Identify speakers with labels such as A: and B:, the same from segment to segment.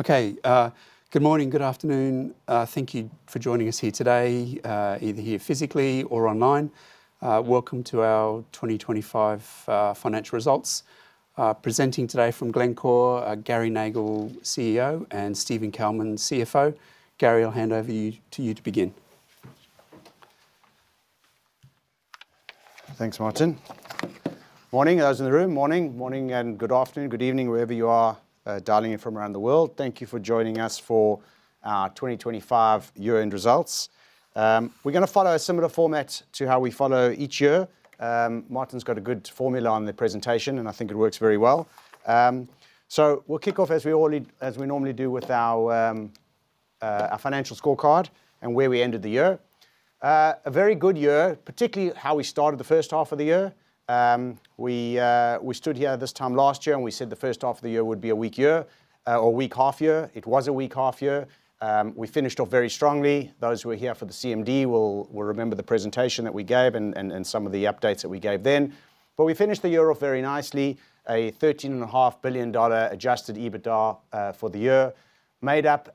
A: Okay, good morning, good afternoon. Thank you for joining us here today, either here physically or online. Welcome to our 2025 financial results. Presenting today from Glencore, Gary Nagle, CEO, and Steven Kalmin, CFO. Gary, I'll hand over to you to begin.
B: Thanks, Martin. Morning, those in the room, morning, morning, and good afternoon, good evening, wherever you are, dialing in from around the world. Thank you for joining us for our 2025 year-end results. We're gonna follow a similar format to how we follow each year. Martin's got a good formula on the presentation, and I think it works very well. We'll kick off as we normally do with our financial scorecard and where we ended the year. A very good year, particularly how we started the first half of the year. We stood here this time last year, and we said the first half of the year would be a weak year, or weak half year. It was a weak half year. We finished off very strongly. Those who were here for the CMD will remember the presentation that we gave and some of the updates that we gave then. We finished the year off very nicely. A $13.5 billion adjusted EBITDA for the year, made up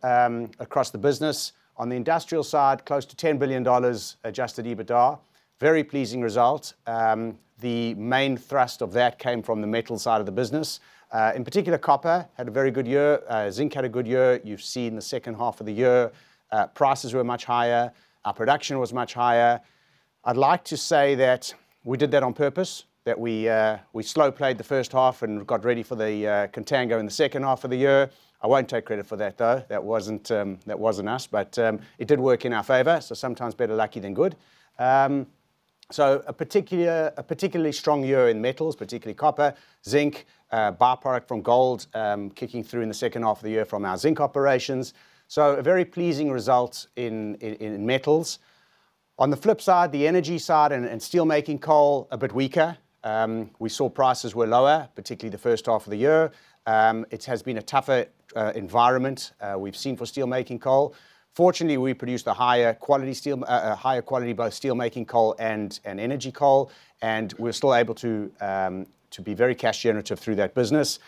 B: across the business. On the industrial side, close to $10 billion adjusted EBITDA. Very pleasing result. The main thrust of that came from the metal side of the business. In particular, copper had a very good year. Zinc had a good year. You've seen the second half of the year, prices were much higher. Our production was much higher. I'd like to say that we did that on purpose. That we slow-played the first half and got ready for the contango in the second half of the year. I won't take credit for that, though. That wasn't, that wasn't us, but it did work in our favor, so sometimes better lucky than good. A particularly strong year in metals, particularly copper, zinc, by-product from gold, kicking through in the second half of the year from our zinc operations. A very pleasing result in metals. On the flip side, the energy side and steelmaking coal, a bit weaker. We saw prices were lower, particularly the first half of the year. It has been a tougher environment, we've seen for steelmaking coal. Fortunately, we produced a higher quality steelmaking coal and energy coal, and we're still able to be very cash generative through that business.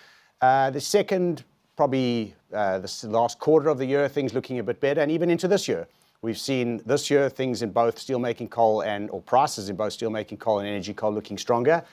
B: The second, probably, the last quarter of the year, things looking a bit better and even into this year. We've seen this year things in both steelmaking coal and-- or prices in both steelmaking coal and energy coal looking stronger.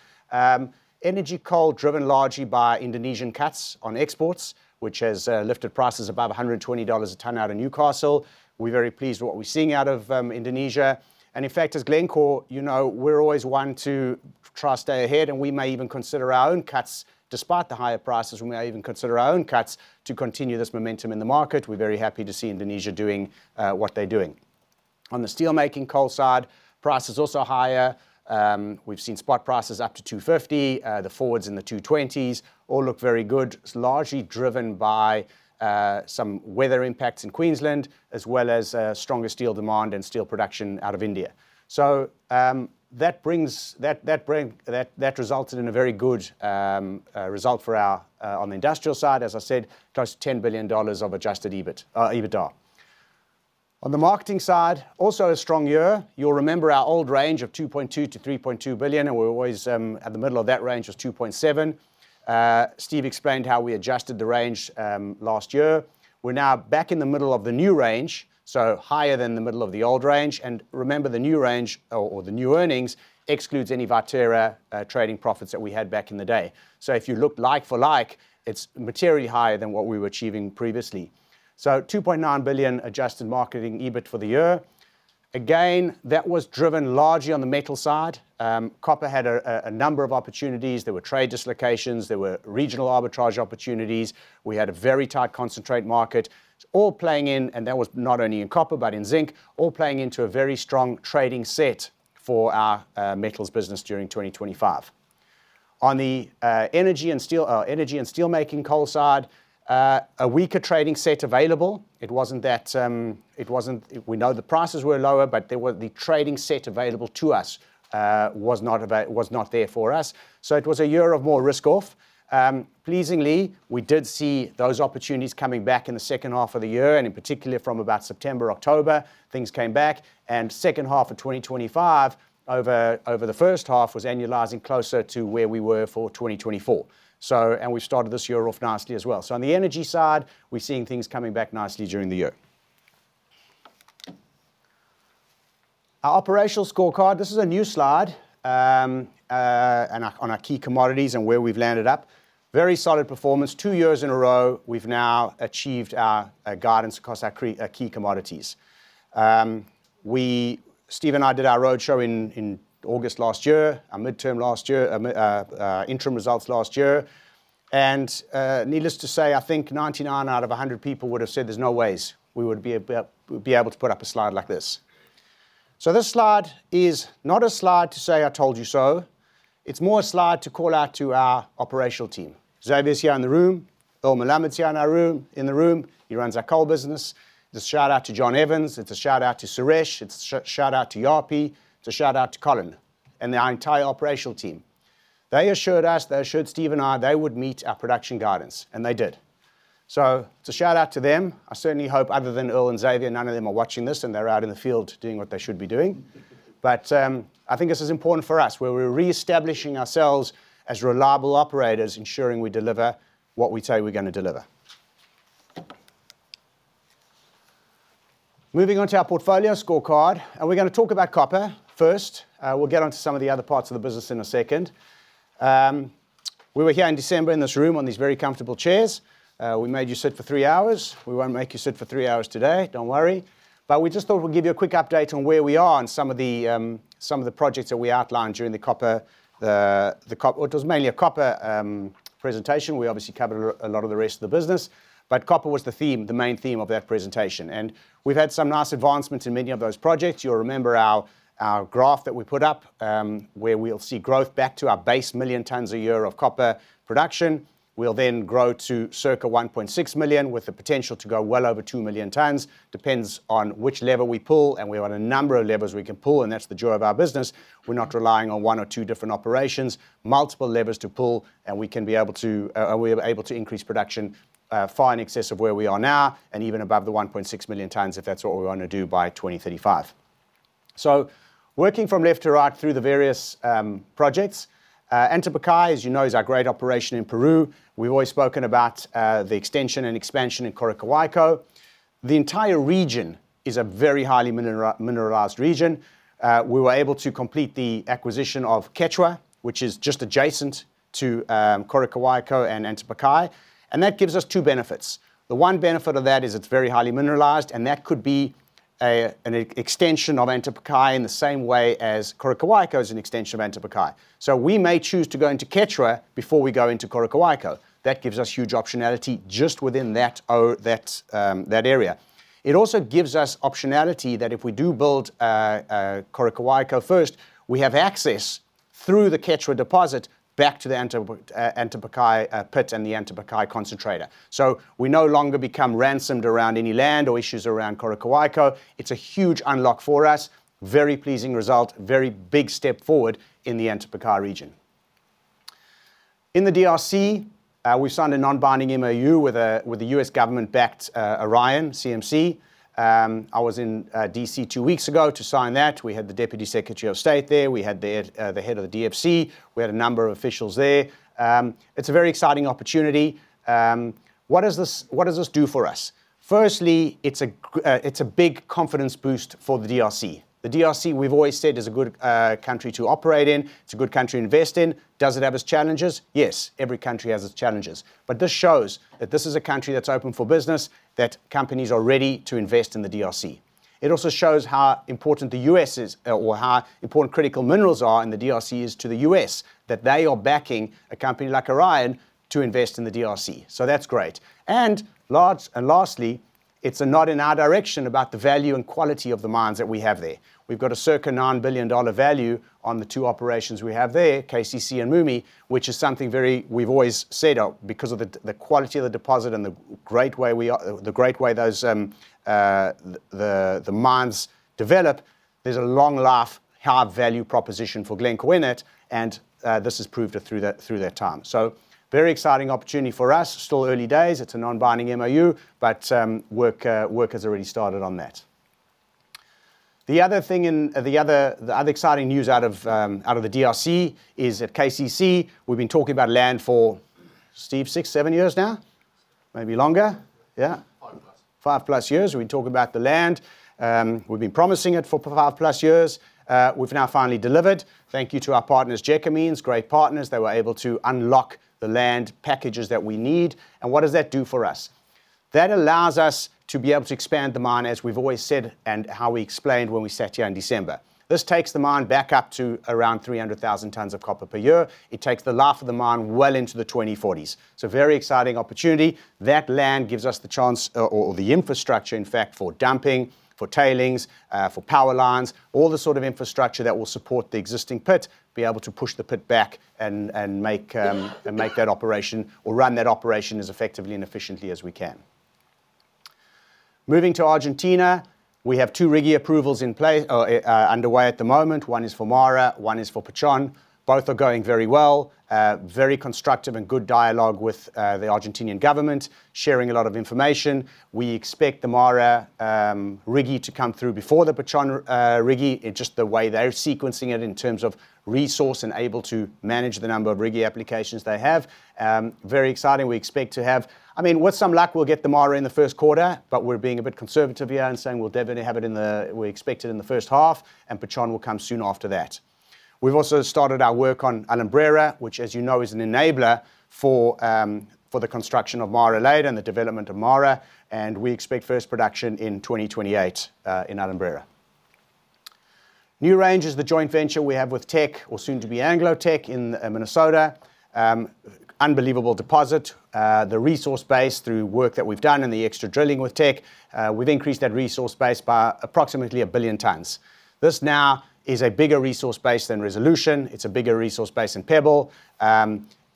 B: Energy coal driven largely by Indonesian cuts on exports, which has lifted prices above $120 a tonne out of Newcastle. We're very pleased with what we're seeing out of Indonesia, and in fact, as Glencore, you know, we're always one to try to stay ahead, and we may even consider our own cuts despite the higher prices. We may even consider our own cuts to continue this momentum in the market. We're very happy to see Indonesia doing what they're doing. On the steelmaking coal side, prices also higher. We've seen spot prices up to $250, the forwards in the $220s, all look very good. It's largely driven by some weather impacts in Queensland, as well as stronger steel demand and steel production out of India. That brings—that resulted in a very good result for our, on the industrial side, as I said, close to $10 billion of adjusted EBIT, EBITDA. On the marketing side, also a strong year. You'll remember our old range of $2.2 billion-$3.2 billion, and we're always at the middle of that range was $2.7 billion. Steve explained how we adjusted the range last year. We're now back in the middle of the new range, so higher than the middle of the old range. And remember, the new range or the new earnings excludes any Viterra trading profits that we had back in the day. So if you look like-for-like, it's materially higher than what we were achieving previously. So $2.9 billion adjusted marketing EBIT for the year. Again, that was driven largely on the metal side. Copper had a number of opportunities. There were trade dislocations, there were regional arbitrage opportunities. We had a very tight concentrate market. It's all playing in, and that was not only in copper, but in zinc, all playing into a very strong trading set for our metals business during 2025. On the energy and steelmaking coal side, a weaker trading set available. It wasn't that, it wasn't—we know the prices were lower, but there were—the trading set available to us was not there for us. So it was a year of more risk off. Pleasingly, we did see those opportunities coming back in the second half of the year, and in particular, from about September, October, things came back, and second half of 2025 over, over the first half was annualizing closer to where we were for 2024. And we started this year off nicely as well. So on the energy side, we're seeing things coming back nicely during the year. Our operational scorecard, this is a new slide, on our key commodities and where we've landed up. Very solid performance. Two years in a row, we've now achieved our guidance across our key commodities. Steve and I did our roadshow in August last year, our midterm last year, interim results last year. Needless to say, I think 99 out of 100 people would have said there's no ways we would be able to put up a slide like this. So this slide is not a slide to say, "I told you so." It's more a slide to call out to our operational team. Xavier's here in the room. Earl Melamed's here in our room, in the room. He runs our coal business. It's a shout-out to Jon Evans. It's a shout-out to Suresh. It's a shout-out to Japie. It's a shout-out to Colin and our entire operational team. They assured us, they assured Steve and I, they would meet our production guidance, and they did. So it's a shout-out to them. I certainly hope other than Earl and Xavier, none of them are watching this, and they're out in the field doing what they should be doing. But, I think this is important for us, where we're reestablishing ourselves as reliable operators, ensuring we deliver what we say we're gonna deliver.... Moving on to our portfolio scorecard, and we're gonna talk about copper first. We'll get onto some of the other parts of the business in a second. We were here in December, in this room, on these very comfortable chairs. We made you sit for three hours. We won't make you sit for three hours today, don't worry. But we just thought we'd give you a quick update on where we are and some of the projects that we outlined during the copper. It was mainly a copper presentation. We obviously covered a lot of the rest of the business, but copper was the theme, the main theme of that presentation, and we've had some nice advancements in many of those projects. You'll remember our graph that we put up, where we'll see growth back to our base 1 million tons a year of copper production, will then grow to circa 1.6 million, with the potential to go well over 2 million tons. Depends on which lever we pull, and we have a number of levers we can pull, and that's the joy of our business. We're not relying on one or two different operations. Multiple levers to pull, and we can be able to, we are able to increase production, far in excess of where we are now and even above the 1.6 million tons, if that's what we want to do by 2035. Working from left to right through the various projects, Antapaccay, as you know, is our great operation in Peru. We've always spoken about, you know, the extension and expansion in Coroccohuayco. The entire region is a very highly mineralized region. We were able to complete the acquisition of Quechua, which is just adjacent to Coroccohuayco and Antapaccay, and that gives us two benefits. The one benefit of that is it's very highly mineralized, and that could be an extension of Antapaccay in the same way as Coroccohuayco is an extension of Antapaccay. So we may choose to go into Quechua before we go into Coroccohuayco. That gives us huge optionality just within that area. It also gives us optionality that if we do build Coroccohuayco first, we have access through the Quechua deposit back to the Antapaccay pit and the Antapaccay concentrator. So we no longer become ransomed around any land or issues around Coroccohuayco. It's a huge unlock for us. Very pleasing result, very big step forward in the Antapaccay region. In the DRC, we signed a non-binding MoU with the U.S. government-backed Orion CMC. I was in D.C. two weeks ago to sign that. We had the Deputy Secretary of State there. We had the head of the DFC. We had a number of officials there. It's a very exciting opportunity. What does this, what does this do for us? Firstly, it's a big confidence boost for the DRC. The DRC, we've always said, is a good country to operate in. It's a good country to invest in. Does it have its challenges? Yes, every country has its challenges, but this shows that this is a country that's open for business, that companies are ready to invest in the DRC. It also shows how important the U.S. is, or how important critical minerals are in the DRC is to the U.S., that they are backing a company like Orion to invest in the DRC. So that's great. And lastly, it's a nod in our direction about the value and quality of the mines that we have there. We've got a circa $9 billion value on the two operations we have there, KCC and MUMI, which is something we've always said, because of the quality of the deposit and the great way those mines develop, there's a long-life, hard value proposition for Glencore in it, and this has proved it through that time. So very exciting opportunity for us. Still early days. It's a non-binding MoU, but work has already started on that. The other exciting news out of the DRC is at KCC. We've been talking about land for, Steve, six, seven years now? Maybe longer. Yeah.
C: Five plus.
B: Five plus years, we've been talking about the land. We've been promising it for five plus years. We've now finally delivered. Thank you to our partners, Gécamines, great partners. They were able to unlock the land packages that we need. And what does that do for us? That allows us to be able to expand the mine, as we've always said, and how we explained when we sat here in December. This takes the mine back up to around 300,000 tons of copper per year. It takes the life of the mine well into the 2040s. So a very exciting opportunity. That land gives us the chance, or the infrastructure, in fact, for dumping, for tailings, for power lines, all the sort of infrastructure that will support the existing pit, be able to push the pit back and make that operation or run that operation as effectively and efficiently as we can. Moving to Argentina, we have two RIGI approvals in place or underway at the moment. One is for MARA, one is for Pachón. Both are going very well. Very constructive and good dialogue with the Argentine government, sharing a lot of information. We expect the MARA RIGI to come through before the Pachón RIGI. It's just the way they're sequencing it in terms of resource and able to manage the number of RIGI applications they have. Very exciting. We expect to have—I mean, with some luck, we'll get the MARA in the first quarter. We're being a bit conservative here and saying we'll definitely have it in the—we expect it in the first half, and El Pachón will come soon after that. We've also started our work on Minera Alumbrera, which, as you know, is an enabler for, you know, for the construction of MARA later and the development of MARA, and we expect first production in 2028 in Minera Alumbrera. NewRange is the joint venture we have with Teck, or soon to be Anglo-Teck, in Minnesota. Unbelievable deposit. The resource base, through work that we've done and the extra drilling with Teck, we've increased that resource base by approximately 1 billion tons. This now is a bigger resource base than Resolution. It's a bigger resource base than Pebble.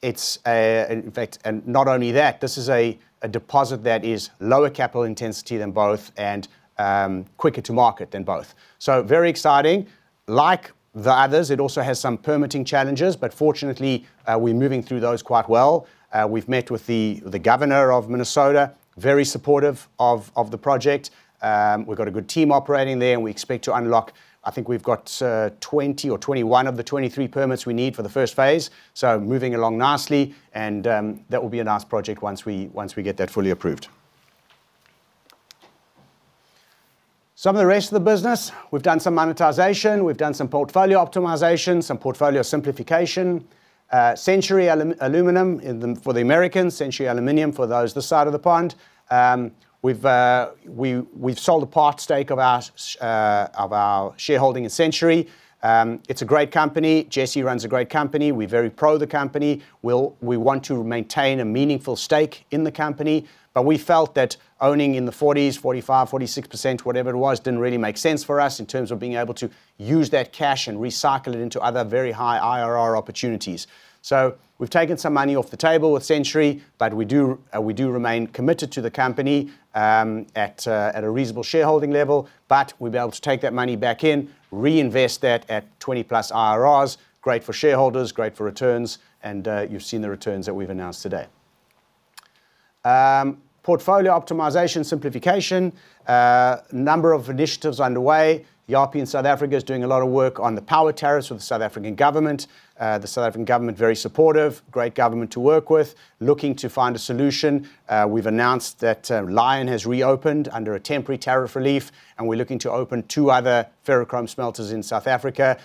B: It's... In fact, not only that, this is a deposit that is lower capital intensity than both, and quicker to market than both. Very exciting. Like the others, it also has some permitting challenges, but fortunately, we're moving through those quite well. We've met with the governor of Minnesota, very supportive of the project. We've got a good team operating there, and we expect to unlock, I think we've got 20 or 21 of the 23 permits we need for the first phase. Moving along nicely, and that will be a nice project once we get that fully approved. Some of the rest of the business, we've done some monetization, we've done some portfolio optimization, some portfolio simplification. Century Aluminum in the-- for the Americans, Century Aluminum, for those this side of the pond. We've sold a part stake of our shareholding in Century. It's a great company. Jesse runs a great company. We're very pro the company. We want to maintain a meaningful stake in the company, but we felt that owning in the forties, 45, 46 percent, whatever it was, didn't really make sense for us in terms of being able to use that cash and recycle it into other very high IRR opportunities. So we've taken some money off the table with Century, but we do remain committed to the company, at a reasonable shareholding level. But we'll be able to take that money back in, reinvest that at 20+ IRRs. Great for shareholders, great for returns, and you've seen the returns that we've announced today. Portfolio optimization, simplification, a number of initiatives underway. Japie in South Africa is doing a lot of work on the power tariffs with the South African government. The South African government, very supportive, great government to work with, looking to find a solution. We've announced that Lion has reopened under a temporary tariff relief, and we're looking to open two other ferrochrome smelters in South Africa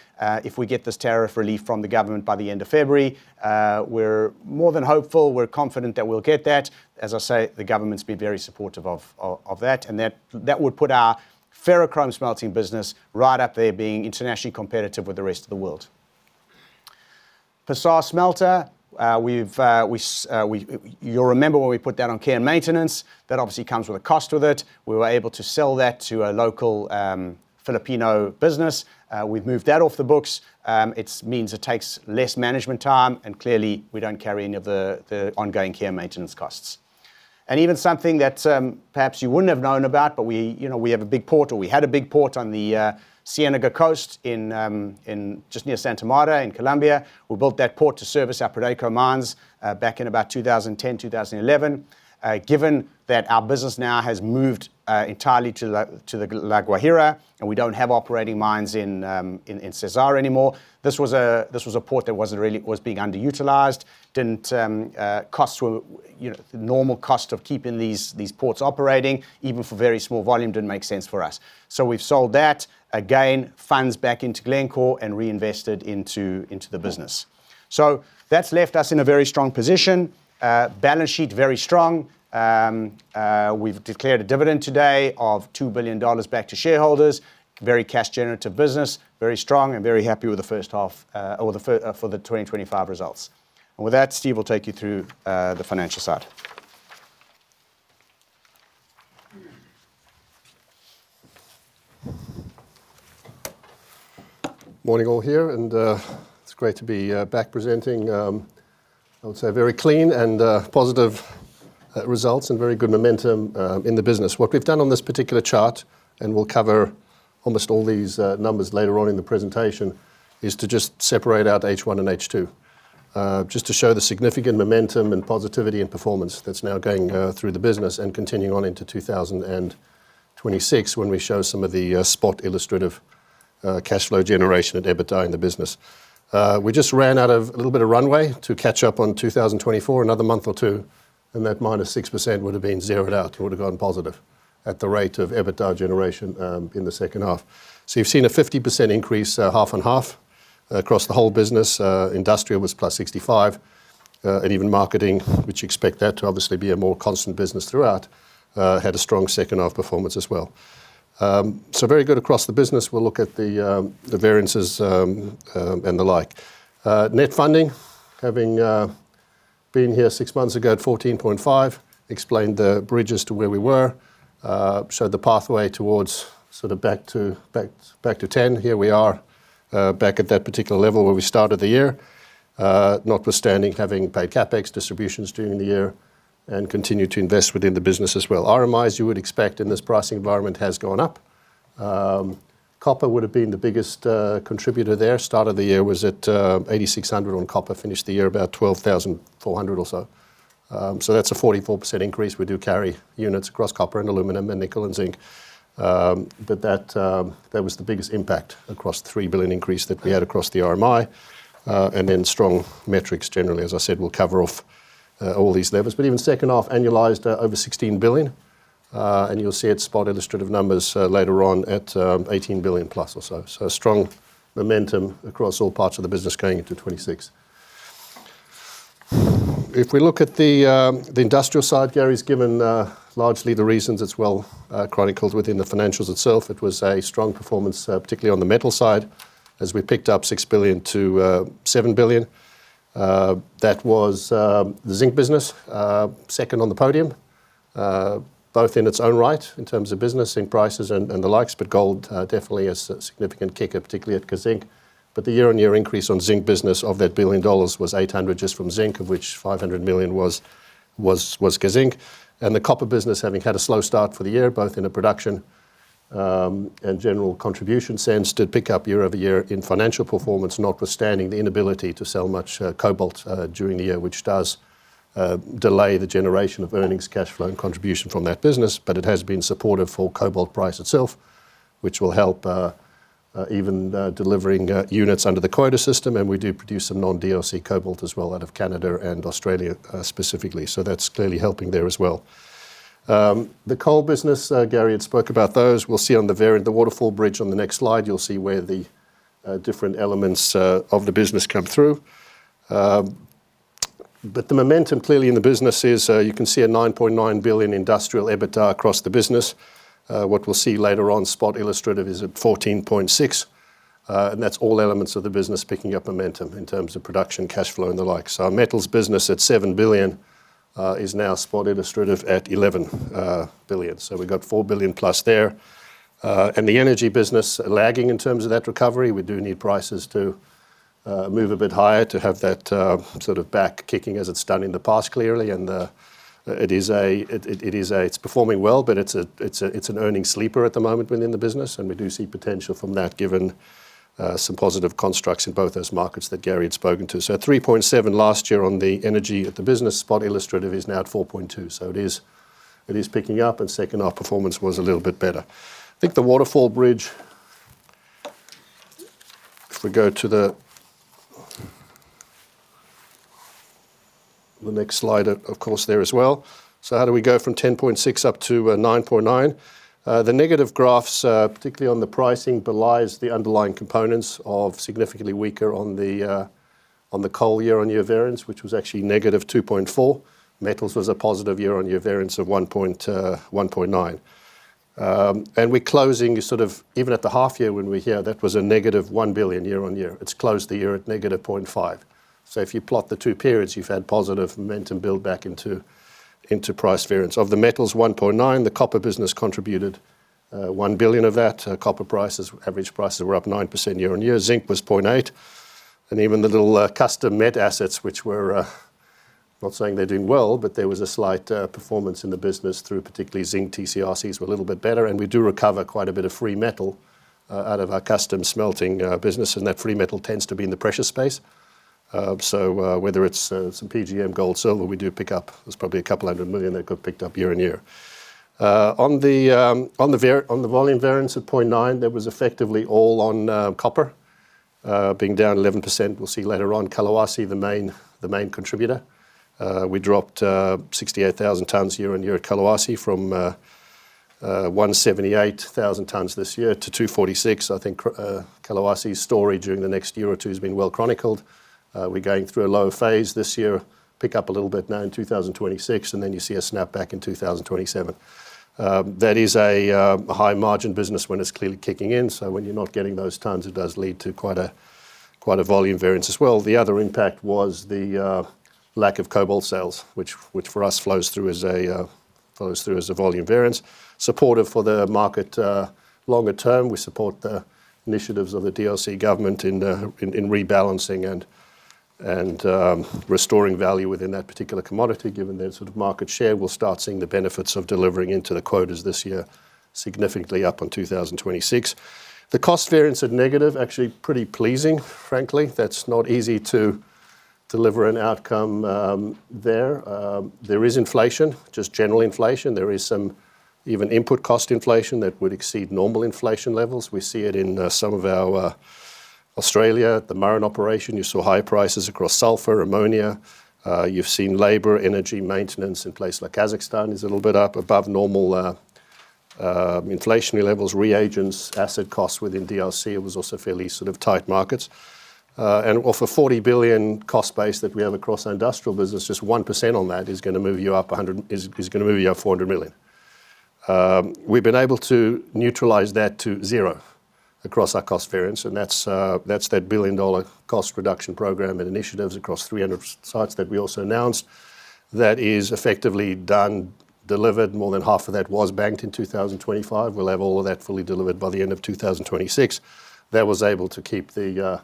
B: if we get this tariff relief from the government by the end of February. We're more than hopeful. We're confident that we'll get that. As I say, the government's been very supportive of that, and that would put our ferrochrome smelting business right up there, being internationally competitive with the rest of the world. PASAR smelter, we've, you'll remember when we put that on care and maintenance, that obviously comes with a cost with it. We were able to sell that to a local, Filipino business. We've moved that off the books. It means it takes less management time, and clearly, we don't carry any of the ongoing care and maintenance costs. And even something that, perhaps you wouldn't have known about, but we, you know, we have a big port, or we had a big port on the, Ciénaga Coast in, just near Santa Marta in Colombia. We built that port to service our Prodeco mines, back in about 2010, 2011. Given that our business now has moved entirely to La Guajira, and we don't have operating mines in Cesar anymore, this was a port that wasn't really being underutilized, didn't, you know, the normal cost of keeping these ports operating, even for very small volume, didn't make sense for us. We've sold that. Again, funds back into Glencore and reinvested into the business. That's left us in a very strong position. Balance sheet, very strong. We've declared a dividend today of $2 billion back to shareholders. Very cash generative business, very strong and very happy with the first half, or the first half, for the 2025 results. With that, Steve will take you through the financial side.
C: Morning all here, and, it's great to be, back presenting. I would say very clean and, positive, results and very good momentum, in the business. What we've done on this particular chart, and we'll cover almost all these, numbers later on in the presentation, is to just separate out H1 and H2. Just to show the significant momentum and positivity and performance that's now going, through the business and continuing on into 2026, when we show some of the, spot illustrative, cash flow generation and EBITDA in the business. We just ran out of a little bit of runway to catch up on 2024. Another month or two, and that -6% would have been zeroed out. It would have gone positive at the rate of EBITDA generation in the second half. You've seen a 50% increase, half and half across the whole business. Industrial was +65%, and even marketing, which you expect that to obviously be a more constant business throughout, had a strong second-half performance as well. Very good across the business. We'll look at the variances and the like. Net funding, having been here six months ago at $14.5 billion, explained the bridges to where we were. Showed the pathway towards sort of back to back, back to $10 billion. Here we are, back at that particular level where we started the year, notwithstanding having paid CapEx distributions during the year and continued to invest within the business as well. RMIs, you would expect in this pricing environment, has gone up. Copper would have been the biggest contributor there. Start of the year was at 8,600 on copper, finished the year about 12,400 or so. So that's a 44% increase. We do carry units across copper and aluminum and nickel and zinc. But that was the biggest impact across the $3 billion increase that we had across the RMI, and then strong metrics generally. As I said, we'll cover off all these levels, but even second half annualized over $16 billion, and you'll see it spot illustrative numbers later on at $18 billion+ or so. So strong momentum across all parts of the business going into 2026. If we look at the industrial side, Gary's given largely the reasons. It's well chronicled within the financials itself. It was a strong performance, particularly on the metal side, as we picked up $6 billion-$7 billion. That was the zinc business, second on the podium, both in its own right in terms of business, zinc prices and the likes, but gold, definitely a significant kicker, particularly at Kazzinc. The year-over-year increase on zinc business of that $1 billion was $800 million just from zinc, of which $500 million was Kazzinc. The copper business, having had a slow start for the year, both in a production and general contribution sense, did pick up year-over-year in financial performance, notwithstanding the inability to sell much cobalt during the year, which does delay the generation of earnings, cash flow, and contribution from that business. But it has been supportive for cobalt price itself, which will help even delivering units under the quota system, and we do produce some non-DRC cobalt as well out of Canada and Australia, specifically. So that's clearly helping there as well. The coal business, Gary had spoke about those. We'll see on the variant, the waterfall bridge on the next slide, you'll see where the different elements of the business come through. But the momentum clearly in the business is, you can see a $9.9 billion industrial EBITDA across the business. What we'll see later on, spot illustrative, is at $14.6 billion, and that's all elements of the business picking up momentum in terms of production, cash flow, and the like. Our metals business at $7 billion is now spot illustrative at $11 billion. We've got $4 billion+ there. The energy business is lagging in terms of that recovery. We do need prices to move a bit higher to have that sort of back kicking as it's done in the past, clearly. It is performing well, but it's an earnings sleeper at the moment within the business, and we do see potential from that, given some positive constructs in both those markets that Gary had spoken to. At $3.7 billion last year on the energy business, spot illustrative is now at $4.2 billion. It is picking up, and second half performance was a little bit better. I think the waterfall bridge, if we go to the next slide, of course, there as well. So how do we go from 10.6 up to 9.9? The negative graphs, particularly on the pricing, belies the underlying components of significantly weaker on the coal year-on-year variance, which was actually -2.4. Metals was a positive year-on-year variance of 1.9. And we're closing sort of even at the half year when we're here, that was a -$1 billion year-on-year. It's closed the year at -0.5. So if you plot the two periods, you've had positive momentum build back into price variance. Of the metals, 1.9, the copper business contributed $1 billion of that. Copper prices, average prices were up 9% year-on-year. Zinc was 0.8, and even the little, custom met assets, which were not saying they're doing well, but there was a slight performance in the business through particularly zinc TCRCs were a little bit better, and we do recover quite a bit of free metal out of our custom smelting business, and that free metal tends to be in the precious space. Whether it's some PGM, gold, silver, we do pick up. There's probably a couple hundred million dollars that got picked up year-on-year. On the volume variance at 0.9, that was effectively all on copper being down 11%. We'll see later on Kolwezi, the main, the main contributor. We dropped 68,000 tons year-on-year at Kolwezi from 178,000 tons this year to 246,000. I think Kolwezi story during the next year or two has been well chronicled. We're going through a low phase this year, pick up a little bit now in 2026, and then you see a snapback in 2027. That is a high-margin business when it's clearly kicking in. So when you're not getting those tons, it does lead to quite a volume variance as well. The other impact was the lack of cobalt sales, which for us flows through as a volume variance. Supportive for the market longer term, we support the initiatives of the DRC government in rebalancing and restoring value within that particular commodity. Given their sort of market share, we'll start seeing the benefits of delivering into the quotas this year, significantly up on 2026. The cost variance at negative, actually pretty pleasing, frankly. That's not easy to deliver an outcome there. There is inflation, just general inflation. There is some even input cost inflation that would exceed normal inflation levels. We see it in some of our Australia, the Murrin operation. You saw high prices across sulfur, ammonia. You've seen labor, energy, maintenance in places like Kazakhstan is a little bit up above normal inflationary levels, reagents, asset costs within DRC. It was also fairly sort of tight markets. And of a $40 billion cost base that we have across our industrial business, just 1% on that is gonna move you up a hundred-- is gonna move you up $400 million. We've been able to neutralize that to zero across our cost variance, and that's that's that billion-dollar cost reduction program and initiatives across 300 sites that we also announced. That is effectively done, delivered. More than half of that was banked in 2025. We'll have all of that fully delivered by the end of 2026. That was able to keep the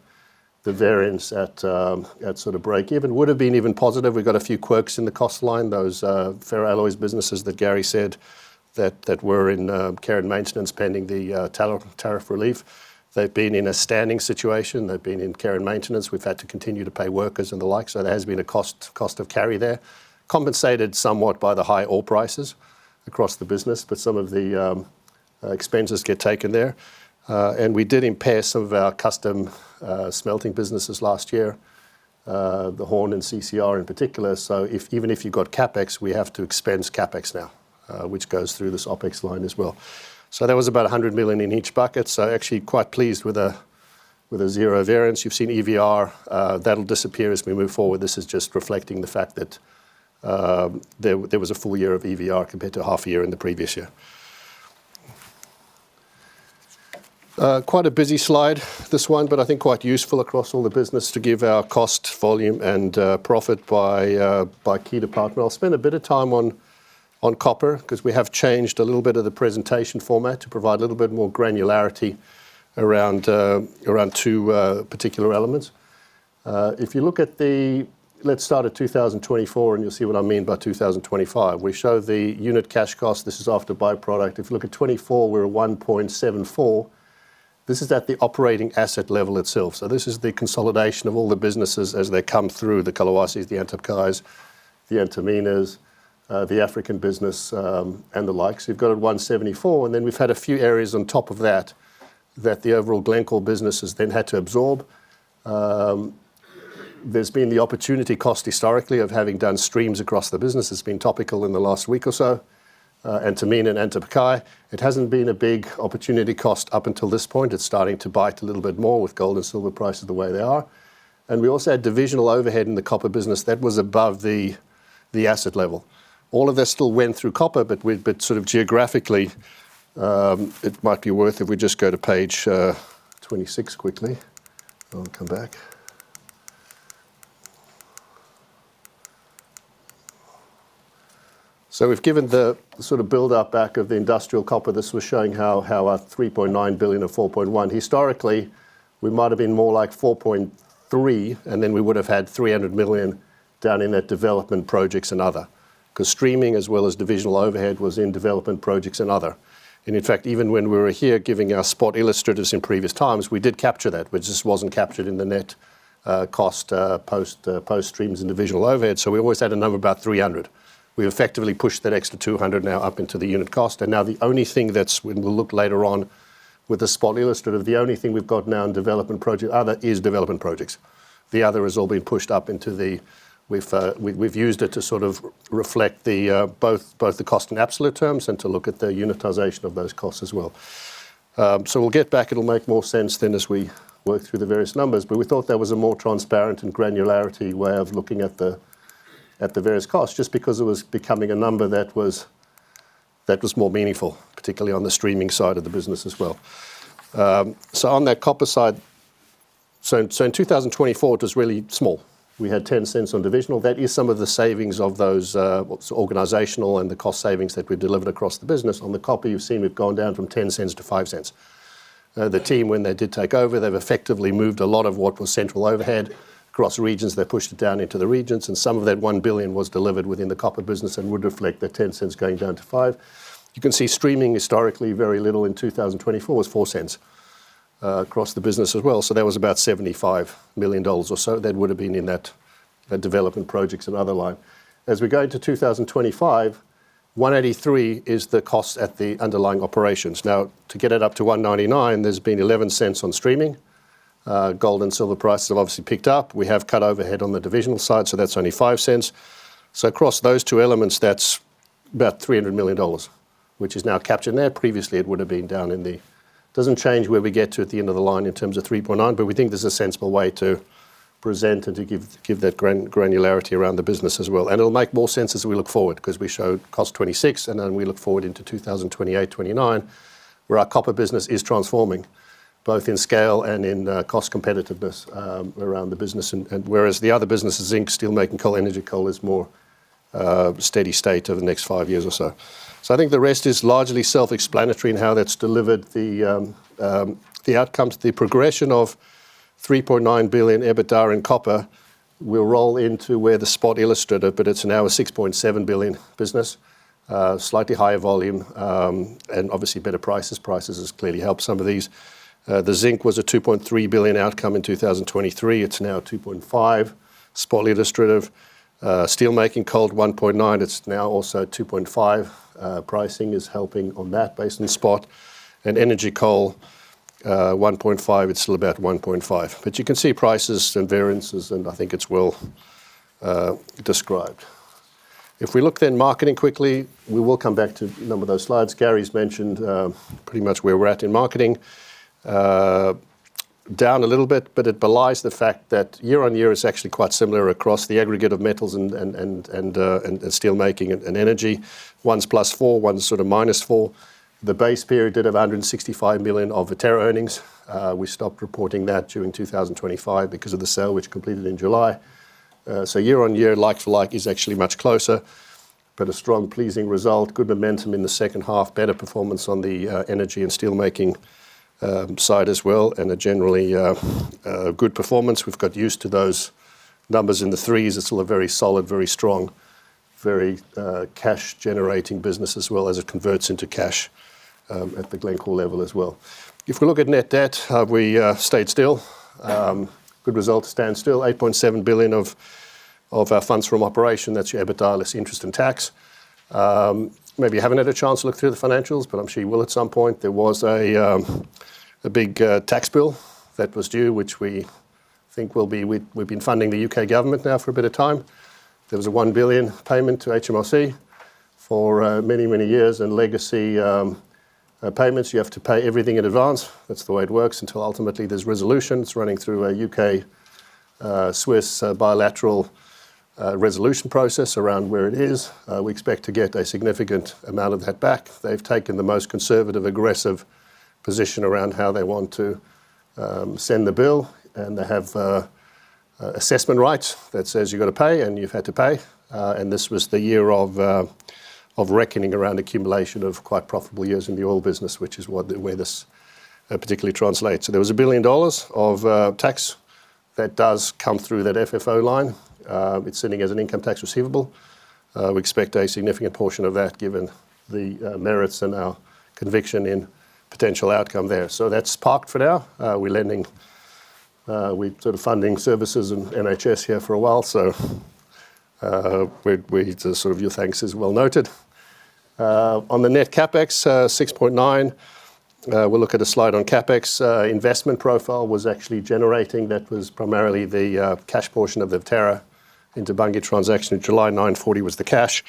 C: the variance at at sort of break even. Would've been even positive. We've got a few quirks in the cost line. Those fair alloys businesses that Gary said that that were in care and maintenance, pending the tariff relief. They've been in a standing situation. They've been in care and maintenance. We've had to continue to pay workers and the like, so there has been a cost, cost of carry there. Compensated somewhat by the high oil prices across the business, but some of the expenses get taken there. We did impair some of our custom smelting businesses last year, the Horne and CCR in particular. If—even if you've got CapEx, we have to expense CapEx now, which goes through this OpEx line as well. That was about $100 million in each bucket. Actually quite pleased with a zero variance. You've seen EVR, that'll disappear as we move forward. This is just reflecting the fact that there was a full year of EVR compared to a half year in the previous year. Quite a busy slide, this one, but I think quite useful across all the business to give our cost, volume, and, profit by, by key department. I'll spend a bit of time on, on copper, 'cause we have changed a little bit of the presentation format to provide a little bit more granularity around, around two, particular elements. If you look at the... Let's start at 2024, and you'll see what I mean by 2025. We show the unit cash cost. This is after by-product. If you look at 2024, we're at 1.74. This is at the operating asset level itself. This is the consolidation of all the businesses as they come through, the Kolwezi, the Antapaccay, the Antamina, the African business, and the likes. You've got a $174, and then we've had a few areas on top of that, that the overall Glencore business has then had to absorb. There's been the opportunity cost historically of having done streams across the business. It's been topical in the last week or so, Antamina and Antapaccay. It hasn't been a big opportunity cost up until this point. It's starting to bite a little bit more with gold and silver prices the way they are. And we also had divisional overhead in the copper business that was above the, the asset level. All of this still went through copper, but we-- but sort of geographically, it might be worth if we just go to page 26 quickly, then we'll come back. So we've given the sort of build-up back of the industrial copper. This was showing how our $3.9 billion and $4.1. Historically, we might have been more like $4.3, and then we would have had $300 million down in that development projects and other, 'cause streaming as well as divisional overhead was in development projects and other. And in fact, even when we were here giving our spot illustrators in previous times, we did capture that, but it just wasn't captured in the net cost post-streams individual overhead. So we always had a number about 300. We effectively pushed that extra 200 now up into the unit cost, and now the only thing that's... We'll look later on with the spot illustrative. The only thing we've got now in development project, other is development projects. The other has all been pushed up into the. We've used it to sort of reflect both the cost in absolute terms and to look at the unitization of those costs as well. So we'll get back. It'll make more sense then as we work through the various numbers, but we thought that was a more transparent and granular way of looking at the various costs, just because it was becoming a number that was more meaningful, particularly on the streaming side of the business as well. So on that copper side, in 2024, it was really small. We had $0.10 on divisional. That is some of the savings of those organizational and the cost savings that we've delivered across the business. On the copper, you've seen we've gone down from $0.10-$0.05. The team, when they did take over, they've effectively moved a lot of what was central overhead across regions. They pushed it down into the regions, and some of that $1 billion was delivered within the copper business and would reflect that $0.10 going down to $0.05. You can see streaming historically, very little in 2024, was $0.04, across the business as well. So that was about $75 million or so. That would have been in that, development projects and other line. As we go into 2025, $1.83 is the cost at the underlying operations. Now, to get it up to $1.99, there's been $0.11 on streaming. Gold and silver prices have obviously picked up. We have cut overhead on the divisional side, so that's only $0.05. So across those two elements, that's about $300 million, which is now captured there. Previously, it would have been down in the. Doesn't change where we get to at the end of the line in terms of 3.9, but we think this is a sensible way to present and to give that granularity around the business as well. And it'll make more sense as we look forward because we show cost 26, and then we look forward into 2028, 2029, where our copper business is transforming both in scale and in cost competitiveness around the business. And whereas the other businesses, zinc, steelmaking, coal, energy, coal, is more steady state over the next five years or so. So I think the rest is largely self-explanatory in how that's delivered the, the outcomes. The progression of $3.9 billion EBITDA in copper will roll into where the spot illustrated, but it's now a $6.7 billion business, slightly higher volume, and obviously better prices. Prices has clearly helped some of these. The zinc was a $2.3 billion outcome in 2023. It's now $2.5 billion. Spot illustrative, steelmaking coal at $1.9 billion. It's now also $2.5 billion. Pricing is helping on that basis in spot. And energy coal, $1.5 billion, it's still about $1.5 billion. But you can see prices and variances, and I think it's well, described. If we look then marketing quickly, we will come back to a number of those slides. Gary's mentioned pretty much where we're at in marketing, down a little bit, but it belies the fact that year-on-year is actually quite similar across the aggregate of metals and steelmaking and energy. One's +4, one's sort of -4. The base period did have $165 million of Viterra earnings. We stopped reporting that during 2025 because of the sale, which completed in July. So year-on-year, like for like, is actually much closer, but a strong, pleasing result, good momentum in the second half, better performance on the energy and steelmaking side as well, and a generally good performance. We've got used to those numbers in the threes. It's still a very solid, very strong, very cash-generating business as well as it converts into cash at the Glencore level as well. If we look at net debt, we stayed still. Good result, stand still, $8.7 billion of our funds from operation. That's your EBITDA less interest and tax. Maybe you haven't had a chance to look through the financials, but I'm sure you will at some point. There was a big tax bill that was due, which we think will be—we've been funding the U.K. government now for a bit of time. There was a $1 billion payment to HMRC for many, many years in legacy payments. You have to pay everything in advance. That's the way it works until ultimately there's resolution. It's running through a U.K., Swiss, bilateral, resolution process around where it is. We expect to get a significant amount of that back. They've taken the most conservative, aggressive position around how they want to, send the bill, and they have, assessment rights that says you've got to pay, and you've had to pay. And this was the year of, of reckoning around accumulation of quite profitable years in the oil business, which is what, where this, particularly translates. So there was $1 billion of, tax that does come through that FFO line. It's sitting as an income tax receivable. We expect a significant portion of that, given the, merits and our conviction in potential outcome there. So that's parked for now. We're lending-... We've sort of funding services and NHS here for a while, so we sort of your thanks is well noted. On the net CapEx, $6.9 billion. We'll look at a slide on CapEx. Investment profile was actually generating. That was primarily the cash portion of the Viterra into Bunge transaction in July. $940 million was the cash.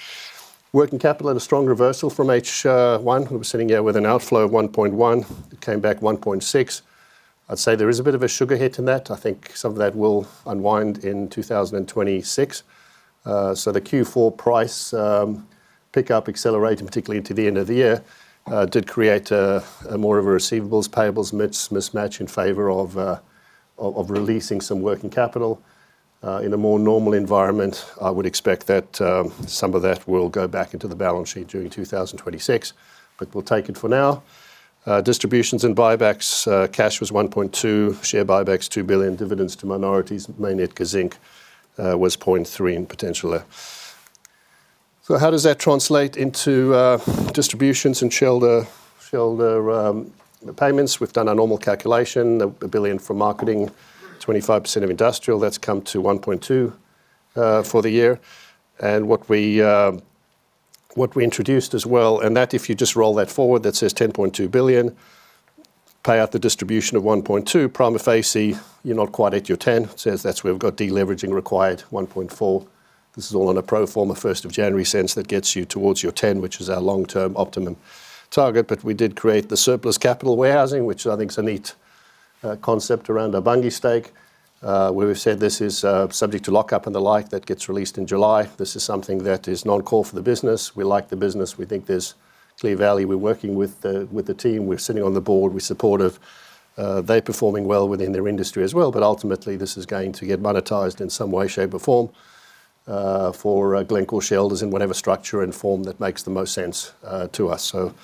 C: Working capital had a strong reversal from H1. We were sitting here with an outflow of $1.1 billion. It came back $1.6 billion. I'd say there is a bit of a sugar hit in that. I think some of that will unwind in 2026. So the Q4 price pickup accelerated, particularly into the end of the year, did create more of a receivables/payables mismatch in favor of releasing some working capital. In a more normal environment, I would expect that some of that will go back into the balance sheet during 2026, but we'll take it for now. Distributions and buybacks, cash was $1.2 billion, share buybacks $2 billion, dividends to minorities, mainly at Kazzinc, was $0.3 billion and potentially. So how does that translate into distributions and shareholder payments? We've done our normal calculation, $1 billion for marketing, 25% of industrial, that's come to $1.2 billion for the year. What we introduced as well, if you just roll that forward, that says $10.2 billion, pay out the distribution of $1.2 billion. Prima facie, you're not quite at your $10 billion. Says that's where we've got deleveraging required, $1.4 billion. This is all on a pro forma first of January sense. That gets you towards your $10 billion, which is our long-term optimum target. We did create the surplus capital warehousing, which I think is a neat concept around our Bunge stake, where we've said this is subject to lock up and the like, that gets released in July. This is something that is non-core for the business. We like the business. We think there's clear value. We're working with the team. We're sitting on the board. We're supportive. They're performing well within their industry as well. But ultimately, this is going to get monetized in some way, shape, or form, for Glencore shareholders in whatever structure and form that makes the most sense, to us. So,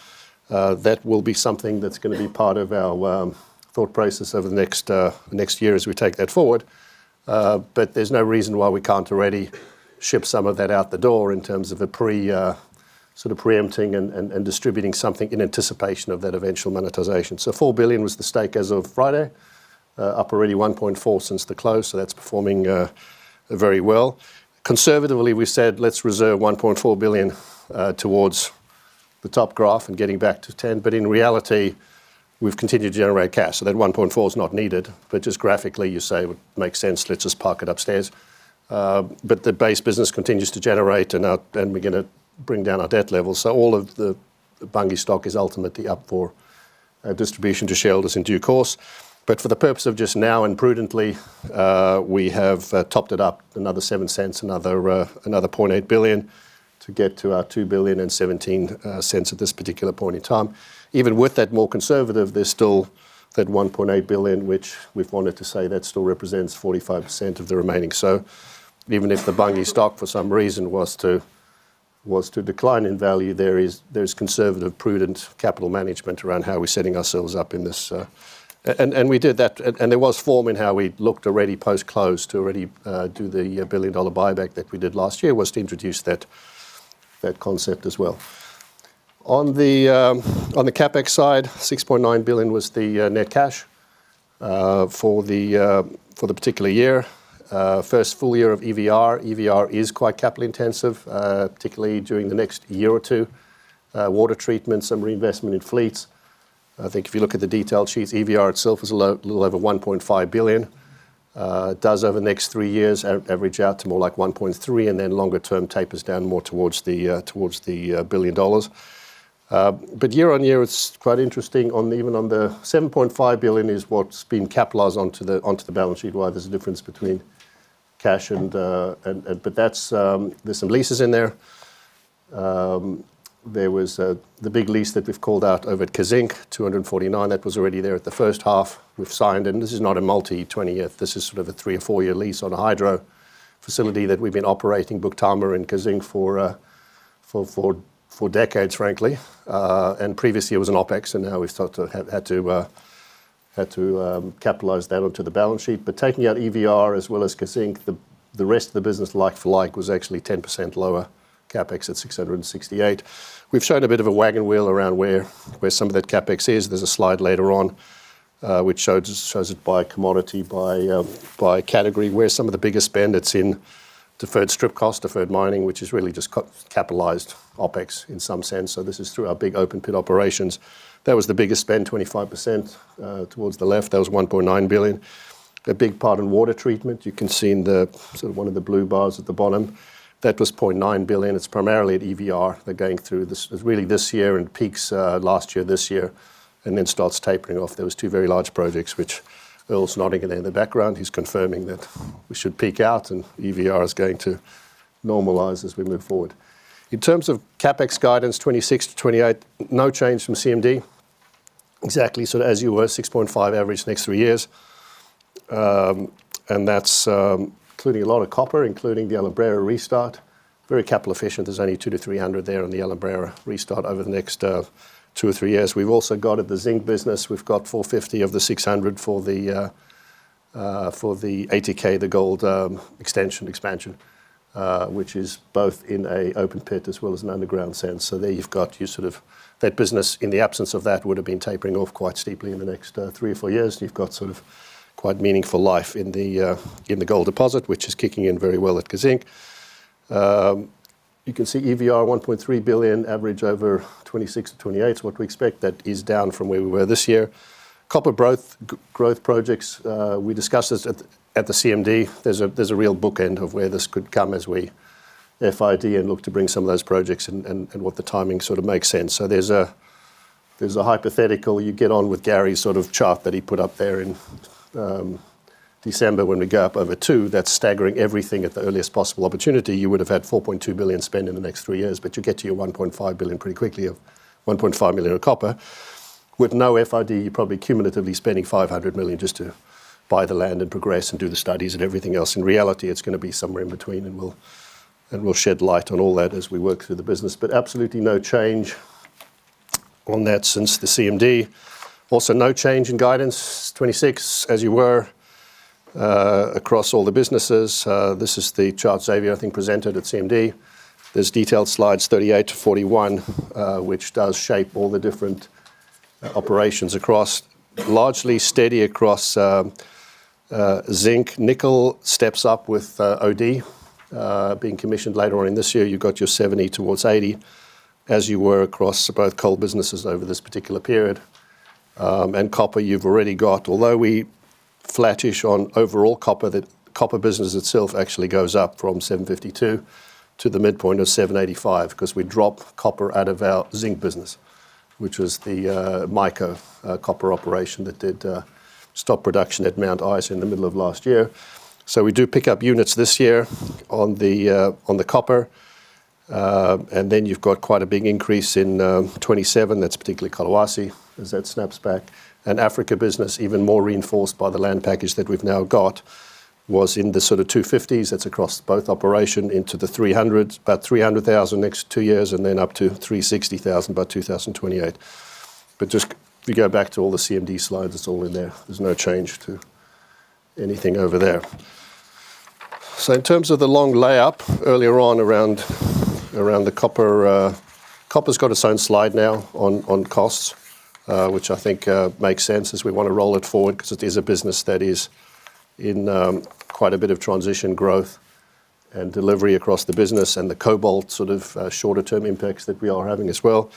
C: that will be something that's gonna be part of our thought process over the next, next year as we take that forward. But there's no reason why we can't already ship some of that out the door in terms of a pre, sort of preempting and, and distributing something in anticipation of that eventual monetization. So $4 billion was the stake as of Friday, up already $1.4 billion since the close, so that's performing very well. Conservatively, we said, let's reserve $1.4 billion, towards the top graph and getting back to 10. In reality, we've continued to generate cash, so that $1.4 billion is not needed. Just graphically, you say it would make sense, let's just park it upstairs. The base business continues to generate, and now we're gonna bring down our debt levels. All of the Bunge stock is ultimately up for distribution to shareholders in due course. For the purpose of just now and prudently, we have topped it up another $0.07, another $0.8 billion to get to our $2 billion and $0.17 at this particular point in time. Even with that more conservative, there's still that $1.8 billion, which we've wanted to say that still represents 45% of the remaining. So even if the Bunge stock, for some reason, was to, was to decline in value, there is, there's conservative, prudent capital management around how we're setting ourselves up in this. And, and we did that, and there was form in how we looked already post-close to already do the billion-dollar buyback that we did last year, was to introduce that, that concept as well. On the CapEx side, $6.9 billion was the net cash for the particular year. First full year of EVR. EVR is quite capital intensive, particularly during the next year or two. Water treatment, some reinvestment in fleets. I think if you look at the detail sheets, EVR itself is a little over $1.5 billion. It does over the next three years, average out to more like $1.3 billion, and then longer term tapers down more towards the $1 billion. But year-over-year, it's quite interesting on even on the $7.5 billion is what's been capitalized onto the balance sheet, why there's a difference between cash and and. But that's, there's some leases in there. There was the big lease that we've called out over at Kazzinc, 249. That was already there at the first half. We've signed, and this is not a multi-year 20-year. This is sort of a 3- or 4-year lease on a hydro facility that we've been operating Bukhtarma in Kazzinc for decades, frankly. And previously it was an OpEx, and now we've started to have to capitalize that onto the balance sheet. But taking out EVR as well as Kazzinc, the rest of the business, like for like, was actually 10% lower CapEx at $668 million. We've shown a bit of a wagon wheel around where some of that CapEx is. There's a slide later on, which shows it by commodity, by category, where some of the biggest spend is in deferred strip cost, deferred mining, which is really just co-capitalized OpEx in some sense. So this is through our big open pit operations. That was the biggest spend, 25%, towards the left. That was $1.9 billion. A big part in water treatment. You can see in the sort of one of the blue bars at the bottom. That was $0.9 billion. It's primarily at EVR. They're going through this, really this year and peaks last year, this year, and then starts tapering off. There was two very large projects which Earl's nodding in the background. He's confirming that we should peak out and EVR is going to normalize as we move forward. In terms of CapEx guidance, $26-$28 billion, no change from CMD. Exactly, so as you were, $6.5 billion average next three years. And that's including a lot of copper, including the Alumbrera restart. Very capital efficient. There's only $200-$300 million there on the Alumbrera restart over the next two or three years. We've also got at the zinc business, we've got 450 of the 600 for the ATK, the gold, extension expansion, which is both in an open pit as well as an underground sense. So there you've got your sort of—That business, in the absence of that, would have been tapering off quite steeply in the next three or four years. You've got sort of quite meaningful life in the gold deposit, which is kicking in very well at Kazzinc. You can see EVR $1.3 billion, average over 26-28, what we expect. That is down from where we were this year. Copper growth, growth projects, we discussed this at the CMD. There's a real bookend of where this could come as we FID and look to bring some of those projects and what the timing sort of makes sense. There's a hypothetical. You get on with Gary's sort of chart that he put up there in December, when we go up over two, that's staggering everything at the earliest possible opportunity. You would have had $4.2 billion spent in the next three years, but you get to your $1.5 billion pretty quickly, of 1.5 million of copper. With no FID, you're probably cumulatively spending $500 million just to buy the land and progress and do the studies and everything else. In reality, it's gonna be somewhere in between, and we'll shed light on all that as we work through the business. But absolutely no change on that since the CMD. Also, no change in guidance, 26, as you were, across all the businesses. This is the chart Xavier, I think, presented at CMD. There's detailed slides 38 to 41, which does shape all the different operations across—largely steady across, zinc. Nickel steps up with, OD, being commissioned later on in this year. You've got your 70 towards 80 as you were across both coal businesses over this particular period. And copper, you've already got... Although we flattish on overall copper, the copper business itself actually goes up from 752 to the midpoint of 785, 'cause we dropped copper out of our zinc business, which was the, MICO, copper operation that did, stop production at Mount Isa in the middle of last year. So we do pick up units this year on the, on the copper. And then you've got quite a big increase in 2027. That's particularly Kolwezi, as that snaps back. And Africa business, even more reinforced by the land package that we've now got, was in the sort of 250s. That's across both operation into the 300s, about 300,000 next two years, and then up to 360,000 by 2028. But just if you go back to all the CMD slides, it's all in there. There's no change to anything over there. So in terms of the long lay up, earlier on around the copper, copper's got its own slide now on costs, which I think makes sense as we want to roll it forward, 'cause it is a business that is in quite a bit of transition growth and delivery across the business and the cobalt sort of shorter term impacts that we are having as well.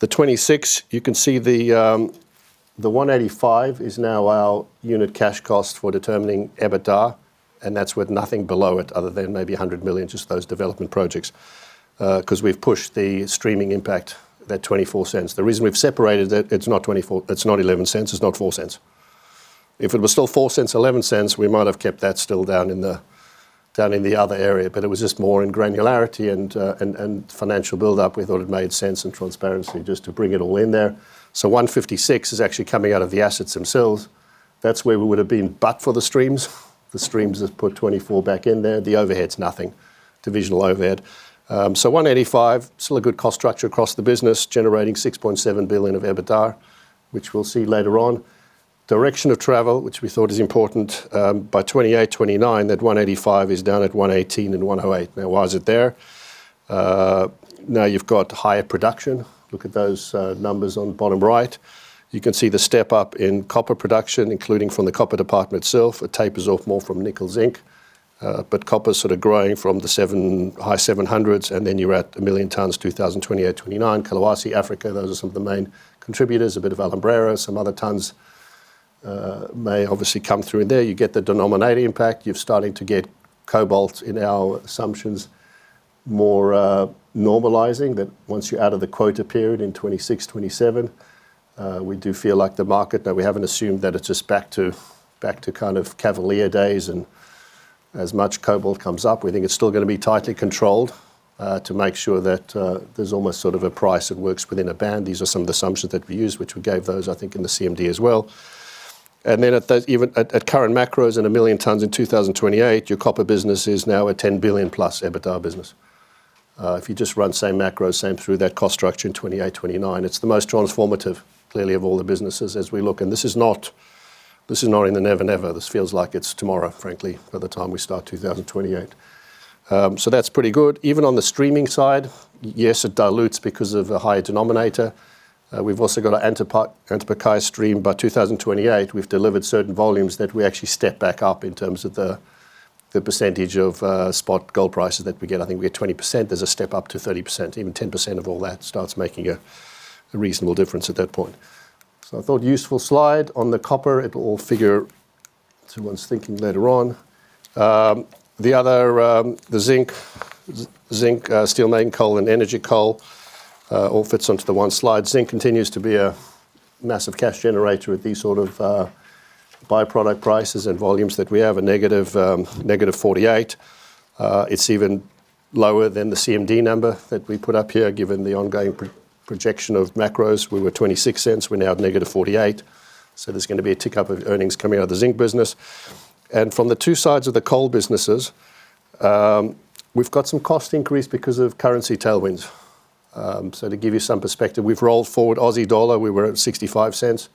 C: The 2026, you can see the 185 is now our unit cash cost for determining EBITDA, and that's with nothing below it other than maybe $100 million, just those development projects, 'cause we've pushed the streaming impact, that $0.24. The reason we've separated it, it's not 24—it's not $0.11, it's not $0.04. If it was still $0.04, $0.11, we might have kept that still down in the other area, but it was just more in granularity and financial build-up. We thought it made sense and transparency just to bring it all in there. So 156 is actually coming out of the assets themselves. That's where we would have been, but for the streams, the streams have put 24 back in there. The overhead's nothing, divisional overhead. So 185, still a good cost structure across the business, generating $6.7 billion of EBITDA, which we'll see later on. Direction of travel, which we thought is important, by 2028, 2029, that 185 is down at 118 and 108. Now, why is it there? Now you've got higher production. Look at those numbers on the bottom right. You can see the step-up in copper production, including from the copper department itself. It tapers off more from nickel zinc, but copper is sort of growing from the high 700s, and then you're at a million tons, 2028, 2029. Kolwezi, Africa, those are some of the main contributors, a bit of Alumbrera. Some other tons may obviously come through in there. You get the denominator impact. You're starting to get cobalt in our assumptions, more normalising, that once you're out of the quota period in 2026, 2027, we do feel like the market, that we haven't assumed that it's just back to, back to kind of cavalier days and as much cobalt comes up. We think it's still gonna be tightly controlled, to make sure that there's almost sort of a price that works within a band. These are some of the assumptions that we used, which we gave those, I think, in the CMD as well. Then at even at current macros and 1 million tons in 2028, your copper business is now a $10 billion+ EBITDA business. If you just run the same macro, same through that cost structure in 2028, 2029, it's the most transformative, clearly, of all the businesses as we look. And this is not, this is not in the never, never. This feels like it's tomorrow, frankly, by the time we start 2028. So that's pretty good. Even on the streaming side, yes, it dilutes because of a higher denominator. We've also got an Antapaccay stream. By 2028, we've delivered certain volumes that we actually step back up in terms of the percentage of spot gold prices that we get. I think we're at 20%. There's a step up to 30%. Even 10% of all that starts making a reasonable difference at that point. So I thought useful slide on the copper. It will all figure through one's thinking later on. The other, the zinc, steelmaking coal and energy coal, all fits onto the one slide. Zinc continues to be a massive cash generator with these sort of by-product prices and volumes that we have, a -48. It's even lower than the CMD number that we put up here, given the ongoing projection of macros. We were 26 cents, we're now at -48. There's gonna be a tick-up of earnings coming out of the zinc business. From the two sides of the coal businesses, we've got some cost increase because of currency tailwinds. To give you some perspective, we've rolled forward Aussie dollar. We were at $0.65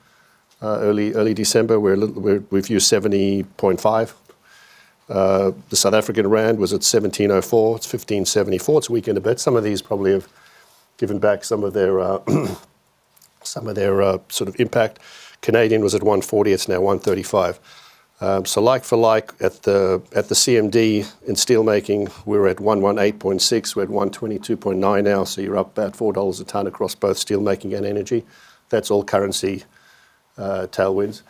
C: early, early December, we've used $0.705. The South African rand was at 17.04, it's 15.74. It's weakened a bit. Some of these probably have given back some of their, some of their, sort of impact. Canadian was at 1.40, it's now 1.35. Like for like, at the CMD in steelmaking, we were at 118.6, we're at 122.9 now, so you're up about $4 a tonne across both steelmaking and energy. That's all currency tailwinds.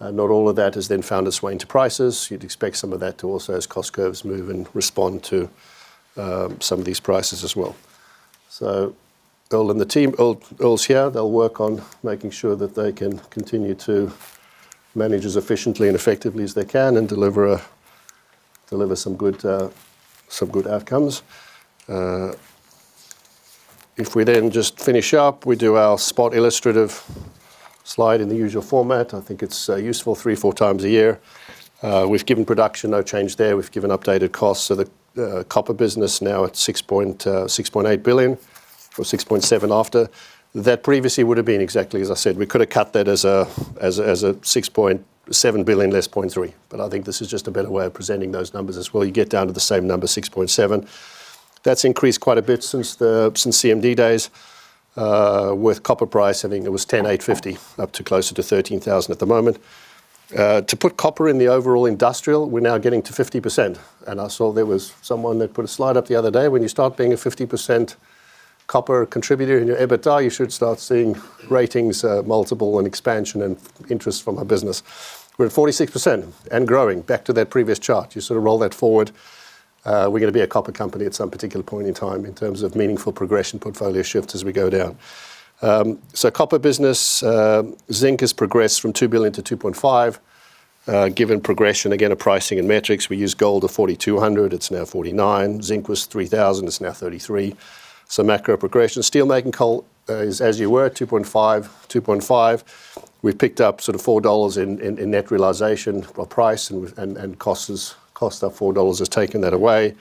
C: Not all of that has then found its way into prices. You'd expect some of that to also, as cost curves move, and respond to some of these prices as well. So Earl and the team—Earl, Earl's here, they'll work on making sure that they can continue to manage as efficiently and effectively as they can and deliver some good outcomes. If we then just finish up, we do our spot illustrative slide in the usual format. I think it's useful 3-4 times a year. We've given production no change there. We've given updated costs, so the copper business now at $6.8 billion, or $6.7 after. That previously would have been exactly as I said. We could have cut that as a, as, as a $6.7 billion less $0.3 billion, but I think this is just a better way of presenting those numbers as well. You get down to the same number, $6.7 billion. That's increased quite a bit since the, since CMD days, with copper price, I think it was $10,850, up to closer to $13,000 at the moment. To put copper in the overall industrial, we're now getting to 50%, and I saw there was someone that put a slide up the other day. When you start being a 50% copper contributor in your EBITDA, you should start seeing ratings, multiple and expansion and interest from our business. We're at 46% and growing. Back to that previous chart, you sort of roll that forward, we're gonna be a copper company at some particular point in time in terms of meaningful progression, portfolio shift as we go down. Copper business, zinc has progressed from $2 billion to $2.5 billion. Given progression, again, of pricing and metrics, we use gold of $4,200, it's now $4,900. Zinc was $3,000, it's now $3,300. Macro progression, steelmaking coal is as you were, $2.5 billion, $2.5 billion. We've picked up sort of $4 in, in, in net realisation or price, and, and, costs is—cost up $4 has taken that away.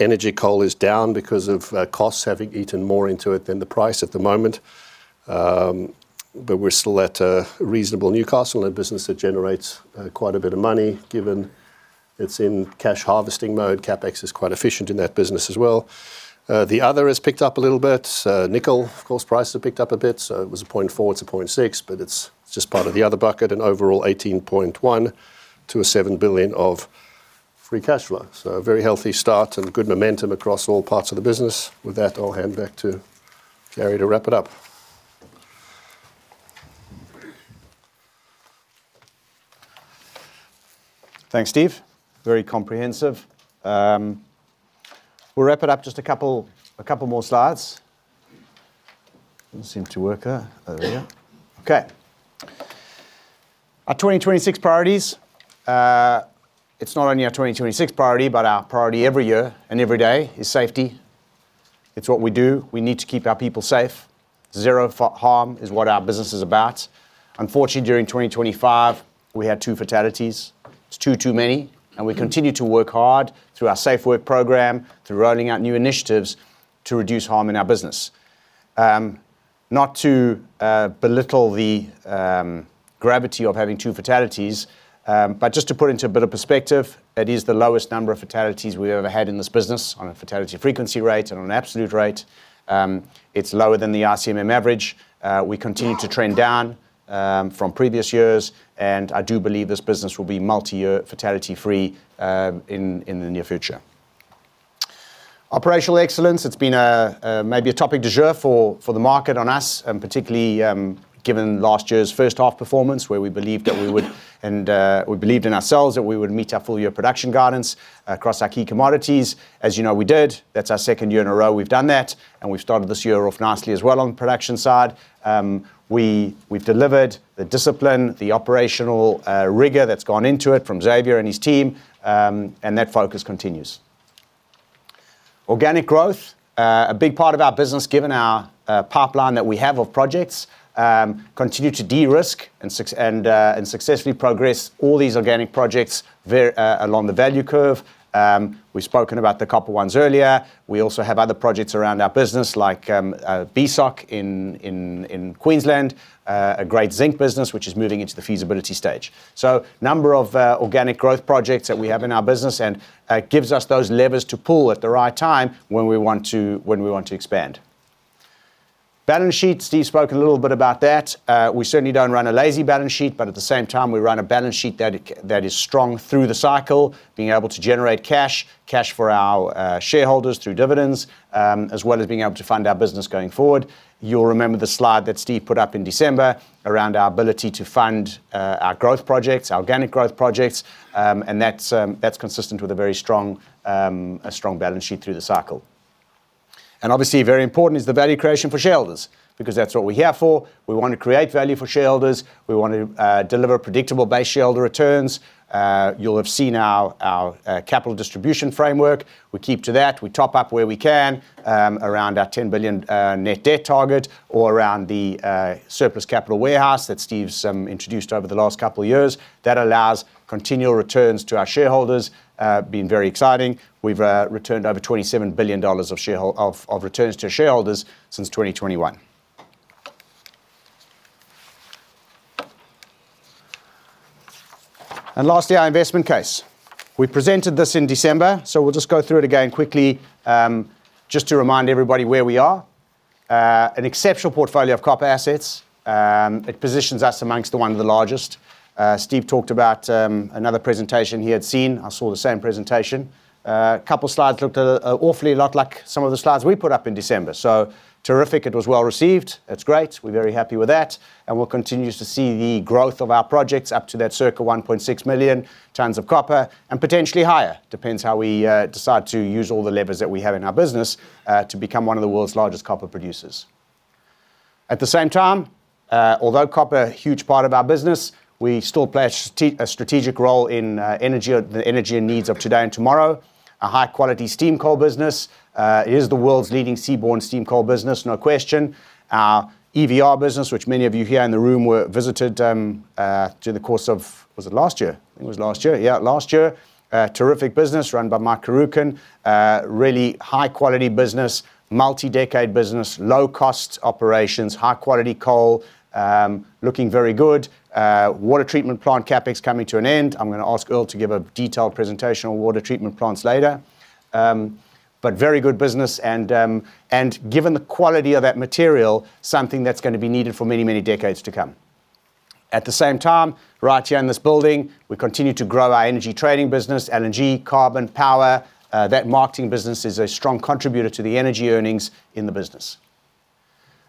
C: Energy coal is down because of costs having eaten more into it than the price at the moment. We're still at a reasonable Newcastle, a business that generates quite a bit of money, given it's in cash harvesting mode. CapEx is quite efficient in that business as well. The other has picked up a little bit. Nickel, of course, price has picked up a bit, so it was 0.4, it's 0.6, but it's just part of the other bucket, and overall $18.1 billion-$27 billion of free cash flow. A very healthy start and good momentum across all parts of the business. With that, I'll hand back to Gary to wrap it up.
B: Thanks, Steve. Very comprehensive. We'll wrap it up, just a couple, a couple more slides. Doesn't seem to work there. Oh, yeah. Okay. Our 2026 priorities. It's not only our 2026 priority, but our priority every year and every day is safety. It's what we do. We need to keep our people safe. Zero harm is what our business is about. Unfortunately, during 2025, we had 2 fatalities. It's 2 too many, and we continue to work hard through our SafeWork program, through rolling out new initiatives to reduce harm in our business. Not to belittle the gravity of having 2 fatalities, but just to put into a bit of perspective, it is the lowest number of fatalities we've ever had in this business on a fatality frequency rate and on an absolute rate. It's lower than the ICMM average. We continue to trend down from previous years, and I do believe this business will be multi-year fatality-free in the near future. Operational excellence, it's been a maybe a topic du jour for the market on us, and particularly given last year's first half performance, where we believed that we would and we believed in ourselves that we would meet our full-year production guidance across our key commodities. As you know, we did. That's our second year in a row we've done that, and we've started this year off nicely as well on the production side. We've delivered the discipline, the operational rigor that's gone into it from Xavier and his team, and that focus continues. Organic growth, a big part of our business, given our pipeline that we have of projects, continue to de-risk and successfully progress all these organic projects along the value curve. We've spoken about the copper ones earlier. We also have other projects around our business, like BSOC in Queensland, a great zinc business which is moving into the feasibility stage. So number of organic growth projects that we have in our business, and it gives us those levers to pull at the right time when we want to, when we want to expand. Balance sheet, Steve spoke a little bit about that. We certainly don't run a lazy balance sheet, but at the same time, we run a balance sheet that is strong through the cycle, being able to generate cash for our shareholders through dividends, as well as being able to fund our business going forward. You'll remember the slide that Steve put up in December around our ability to fund our growth projects, organic growth projects, and that's consistent with a very strong, a strong balance sheet through the cycle. Obviously, very important is the value creation for shareholders, because that's what we're here for. We want to create value for shareholders. We want to deliver predictable base shareholder returns. You'll have seen our capital distribution framework. We keep to that. We top up where we can, around our 10 billion net debt target or around the, surplus capital warehouse that Steve's, introduced over the last couple of years. That allows continual returns to our shareholders. Been very exciting. We've, returned over $27 billion of shareholder-- of, of returns to shareholders since 2021. Lastly, our investment case. We presented this in December, so we'll just go through it again quickly, just to remind everybody where we are. An exceptional portfolio of copper assets. It positions us amongst one of the largest. Steve talked about, another presentation he had seen. I saw the same presentation. A couple slides looked, awfully a lot like some of the slides we put up in December. So terrific, it was well-received. That's great. We're very happy with that, and we'll continue to see the growth of our projects up to that circa 1.6 million tonnes of copper, and potentially higher. Depends how we decide to use all the levers that we have in our business to become one of the world's largest copper producers. At the same time, although copper a huge part of our business, we still play a strategic role in energy, the energy needs of today and tomorrow. A high-quality steam coal business. It is the world's leading seaborne steam coal business, no question. Our EVR business, which many of you here in the room were visited, through the course of... Was it last year? I think it was last year. Yeah, last year. A terrific business run by Mike Carrucan. Really high-quality business, multi-decade business, low-cost operations, high-quality coal, looking very good. Water treatment plant CapEx coming to an end. I'm gonna ask Earl to give a detailed presentation on water treatment plants later. But very good business, and given the quality of that material, something that's gonna be needed for many, many decades to come. At the same time, right here in this building, we continue to grow our energy trading business, LNG, carbon, power. That marketing business is a strong contributor to the energy earnings in the business.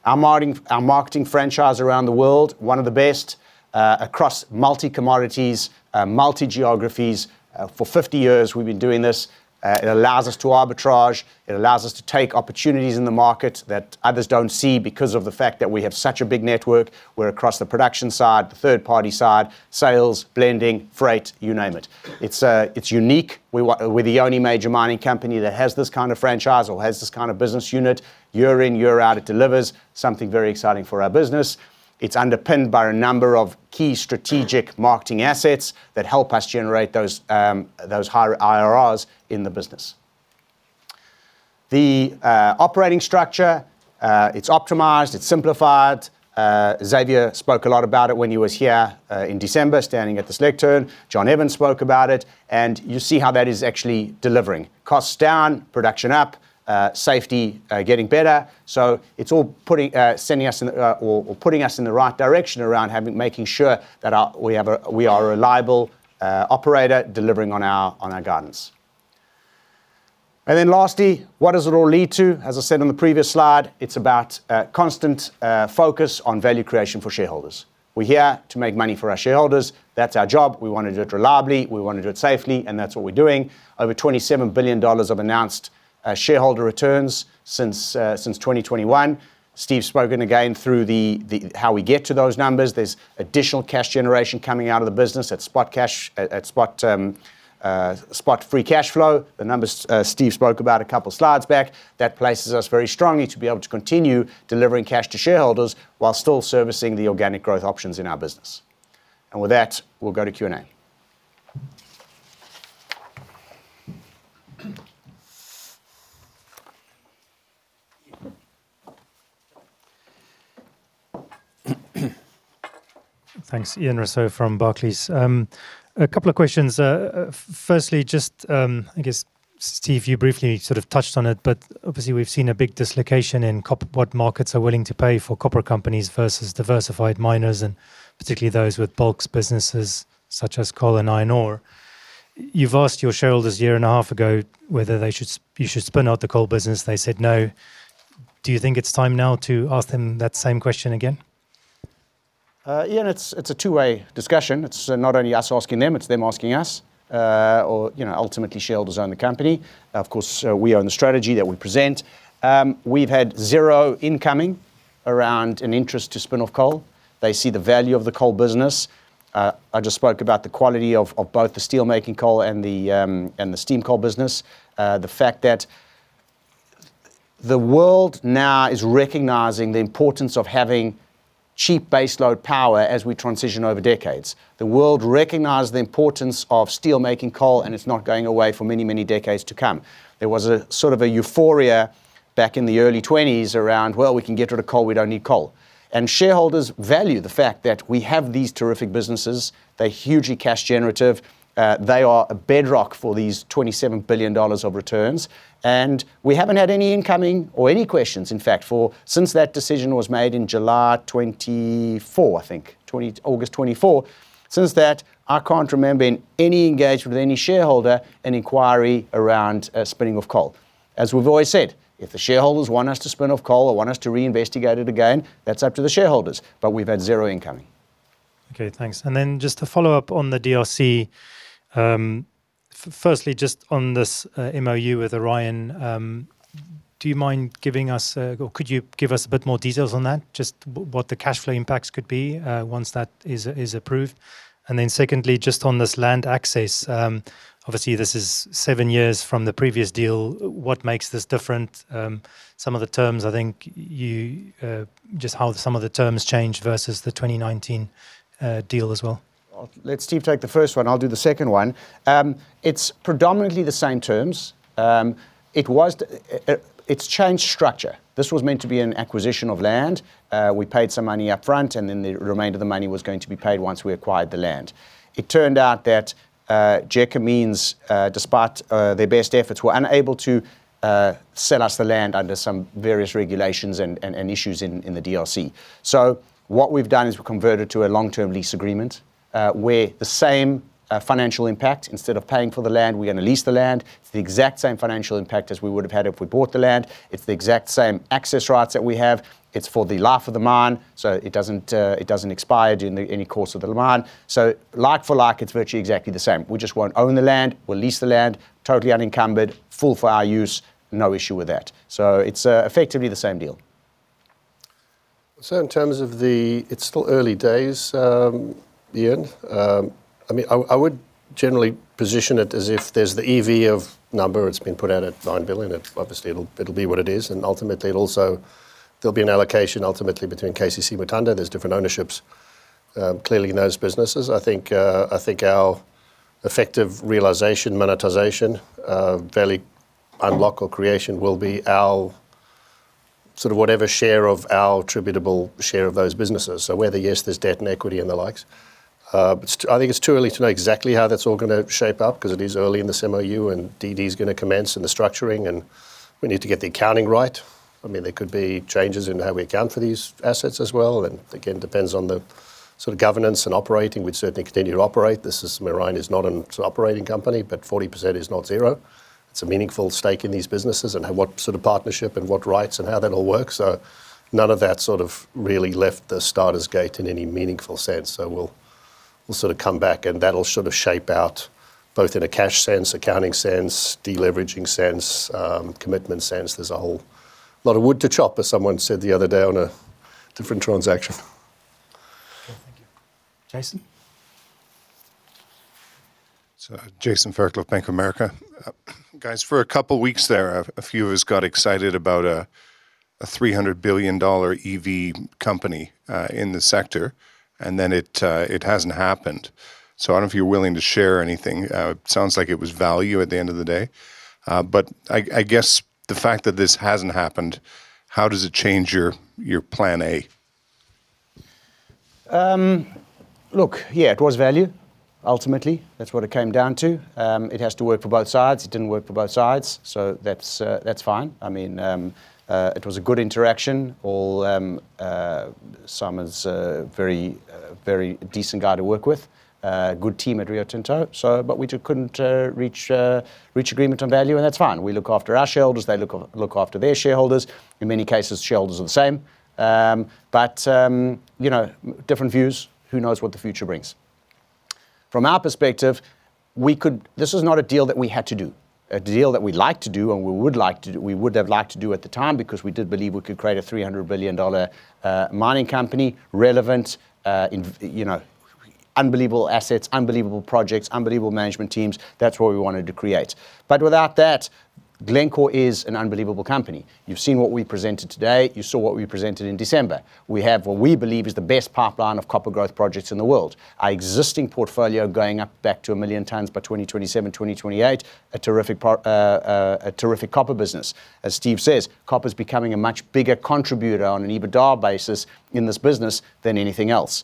B: Our marketing franchise around the world, one of the best, across multi commodities, multi geographies. For 50 years, we've been doing this. It allows us to arbitrage. It allows us to take opportunities in the market that others don't see because of the fact that we have such a big network. We're across the production side, the third-party side, sales, blending, freight, you name it. It's unique. We're the only major mining company that has this kind of franchise or has this kind of business unit. Year in, year out, it delivers something very exciting for our business. It's underpinned by a number of key strategic marketing assets that help us generate those higher IRRs in the business. The operating structure, it's optimized, it's simplified. Xavier spoke a lot about it when he was here in December, standing at this lectern. Jon Evans spoke about it, and you see how that is actually delivering. Costs down, production up, safety getting better. So it's all sending us in, or, or putting us in the right direction around making sure that our... We have we are a reliable operator delivering on our, on our guidance. And then lastly, what does it all lead to? As I said in the previous slide, it's about a constant focus on value creation for shareholders. We're here to make money for our shareholders. That's our job. We want to do it reliably, we want to do it safely, and that's what we're doing. Over $27 billion of announced shareholder returns since 2021. Steve spoke again through the how we get to those numbers. There's additional cash generation coming out of the business. That spot cash, that spot, spot free cash flow, the numbers Steve spoke about a couple of slides back, that places us very strongly to be able to continue delivering cash to shareholders while still servicing the organic growth options in our business. With that, we'll go to Q&A.
D: Thanks. Ian Rossouw from Barclays. A couple of questions. Firstly, just, I guess, Steve, you briefly sort of touched on it, but obviously, we've seen a big dislocation in copper, what markets are willing to pay for copper companies versus diversified miners, and particularly those with bulks businesses such as coal and iron ore. You've asked your shareholders a year and a half ago whether they should--you should spin out the coal business. They said no. Do you think it's time now to ask them that same question again?
B: Ian, it's a two-way discussion. It's not only us asking them, it's them asking us. Or, you know, ultimately, shareholders own the company. Of course, we own the strategy that we present. We've had zero incoming around an interest to spin off coal. They see the value of the coal business. I just spoke about the quality of both the steelmaking coal and the steam coal business. The fact that the world now is recognizing the importance of having cheap baseload power as we transition over decades. The world recognized the importance of steelmaking coal, and it's not going away for many, many decades to come. There was a sort of a euphoria back in the early twenties around, "Well, we can get rid of coal. We don't need coal. Shareholders value the fact that we have these terrific businesses. They're hugely cash generative. They are a bedrock for these $27 billion of returns, and we haven't had any incoming or any questions, in fact, since that decision was made in July 2024, I think, August 2024. Since that, I can't remember in any engagement with any shareholder an inquiry around spinning off coal. As we've always said, if the shareholders want us to spin off coal or want us to reinvestigate it again, that's up to the shareholders, but we've had zero incoming.
D: Okay, thanks. And then just to follow up on the DRC, firstly, just on this MoU with Orion, do you mind giving us a, or could you give us a bit more details on that? Just what the cash flow impacts could be, once that is approved. And then secondly, just on this land access, obviously, this is seven years from the previous deal. What makes this different? Some of the terms, I think you just how some of the terms changed versus the 2019 deal as well.
B: Well, let Steve take the first one, I'll do the second one. It's predominantly the same terms. It's changed structure. This was meant to be an acquisition of land. We paid some money up front, and then the remainder of the money was going to be paid once we acquired the land. It turned out that, Gécamines, despite their best efforts, were unable to sell us the land under some various regulations and issues in the DRC. So what we've done is we've converted to a long-term lease agreement, where the same financial impact, instead of paying for the land, we're gonna lease the land. It's the exact same financial impact as we would have had if we bought the land. It's the exact same access rights that we have. It's for the life of the mine, so it doesn't expire during the course of the mine. So like for like, it's virtually exactly the same. We just won't own the land. We'll lease the land, totally unencumbered, full for our use, no issue with that. So it's effectively the same deal.
C: So in terms of the... It's still early days, Ian. I mean, I would generally position it as if there's the EV of number. It's been put out at $9 billion. Obviously, it'll be what it is, and ultimately, it'll also, there'll be an allocation ultimately between KCC and Mutanda. There's different ownerships, clearly in those businesses. I think our effective realization, monetization, value unlock or creation will be our sort of whatever share of our attributable share of those businesses. So whether, yes, there's debt and equity and the likes, but I think it's too early to know exactly how that's all gonna shape up because it is early in this MoU, and DD is gonna commence, and the structuring, and we need to get the accounting right. I mean, there could be changes in how we account for these assets as well, again, depends on the sort of governance and operating. We'd certainly continue to operate. This is... Murrin is not an operating company, but 40% is not zero. It's a meaningful stake in these businesses, and what sort of partnership and what rights and how that all works. None of that sort of really left the starter's gate in any meaningful sense. We'll, we'll sort of come back, and that'll sort of shape out, both in a cash sense, accounting sense, deleveraging sense, commitment sense. There's a whole lot of wood to chop, as someone said the other day on a different transaction.
A: Thank you. Jason?
E: So, Jason Fairclough with Bank of America. Guys, for a couple of weeks there, a few of us got excited about a $300 billion EV company in the sector, and then it hasn't happened. So I don't know if you're willing to share anything. It sounds like it was value at the end of the day, but I guess the fact that this hasn't happened, how does it change your plan A?
B: Look, yeah, it was value. Ultimately, that's what it came down to. It has to work for both sides. It didn't work for both sides, so that's fine. I mean, it was a good interaction. Simon's a very decent guy to work with, a good team at Rio Tinto, so but we couldn't reach agreement on value, and that's fine. We look after our shareholders, they look after their shareholders. In many cases, shareholders are the same. But, you know, different views, who knows what the future brings? From our perspective, this was not a deal that we had to do. A deal that we'd like to do, and we would like to do—we would have liked to do at the time because we did believe we could create a $300 billion mining company, relevant, you know, unbelievable assets, unbelievable projects, unbelievable management teams. That's what we wanted to create. Without that, Glencore is an unbelievable company. You've seen what we presented today. You saw what we presented in December. We have what we believe is the best pipeline of copper growth projects in the world. Our existing portfolio going up back to 1 million tons by 2027, 2028, a terrific pro... a terrific copper business. As Steve says, copper's becoming a much bigger contributor on an EBITDA basis in this business than anything else.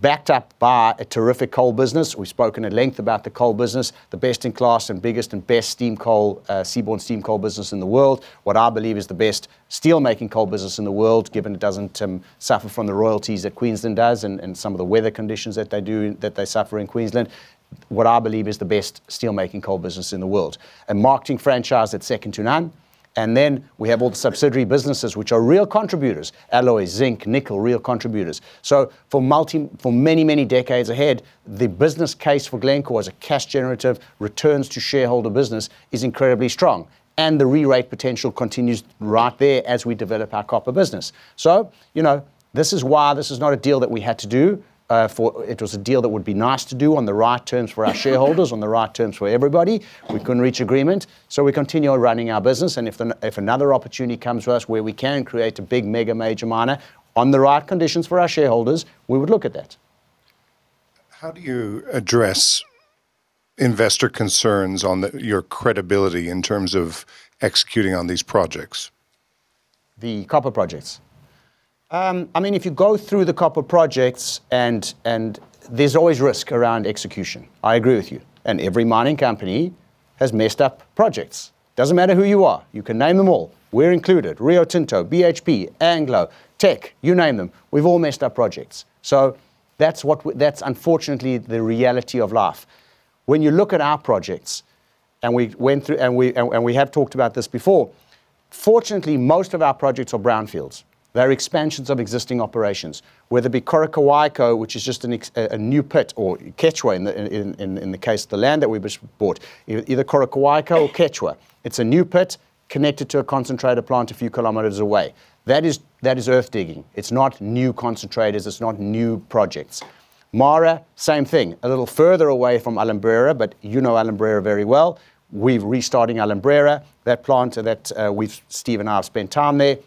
B: Backed up by a terrific coal business. We've spoken at length about the coal business, the best-in-class and biggest and best steam coal, seaborne steam coal business in the world. What I believe is the best steel-making coal business in the world, given it doesn't suffer from the royalties that Queensland does and some of the weather conditions that they do, that they suffer in Queensland. What I believe is the best steel-making coal business in the world. A marketing franchise that's second to none, and then we have all the subsidiary businesses, which are real contributors: alloy, zinc, nickel, real contributors. So for many, many decades ahead, the business case for Glencore as a cash-generative, returns-to-shareholder business is incredibly strong, and the re-rate potential continues right there as we develop our copper business. So, you know, this is why this is not a deal that we had to do. It was a deal that would be nice to do on the right terms for our shareholders, on the right terms for everybody. We couldn't reach agreement, so we continue running our business, and if another opportunity comes to us where we can create a big, mega, major miner on the right conditions for our shareholders, we would look at that.
E: How do you address investor concerns on the, your credibility in terms of executing on these projects?
B: The copper projects? I mean, if you go through the copper projects, and there's always risk around execution, I agree with you, and every mining company has messed up projects. Doesn't matter who you are. You can name them all. We're included, Rio Tinto, BHP, Anglo, Teck, you name them. We've all messed up projects. So that's unfortunately the reality of life. When you look at our projects, and we went through, and we have talked about this before, fortunately, most of our projects are brownfields. They're expansions of existing operations, whether it be Coroccohuayco, which is just a new pit, or Quechua in the case of the land that we just bought. Either Coroccohuayco or Quechua. It's a new pit connected to a concentrator plant a few kilometers away. That is, that is earth digging. It's not new concentrators. It's not new projects. MARA, same thing, a little further away from Alumbrera, but you know Alumbrera very well. We're restarting Alumbrera, that plant that, we've—Steve and I have spent time there.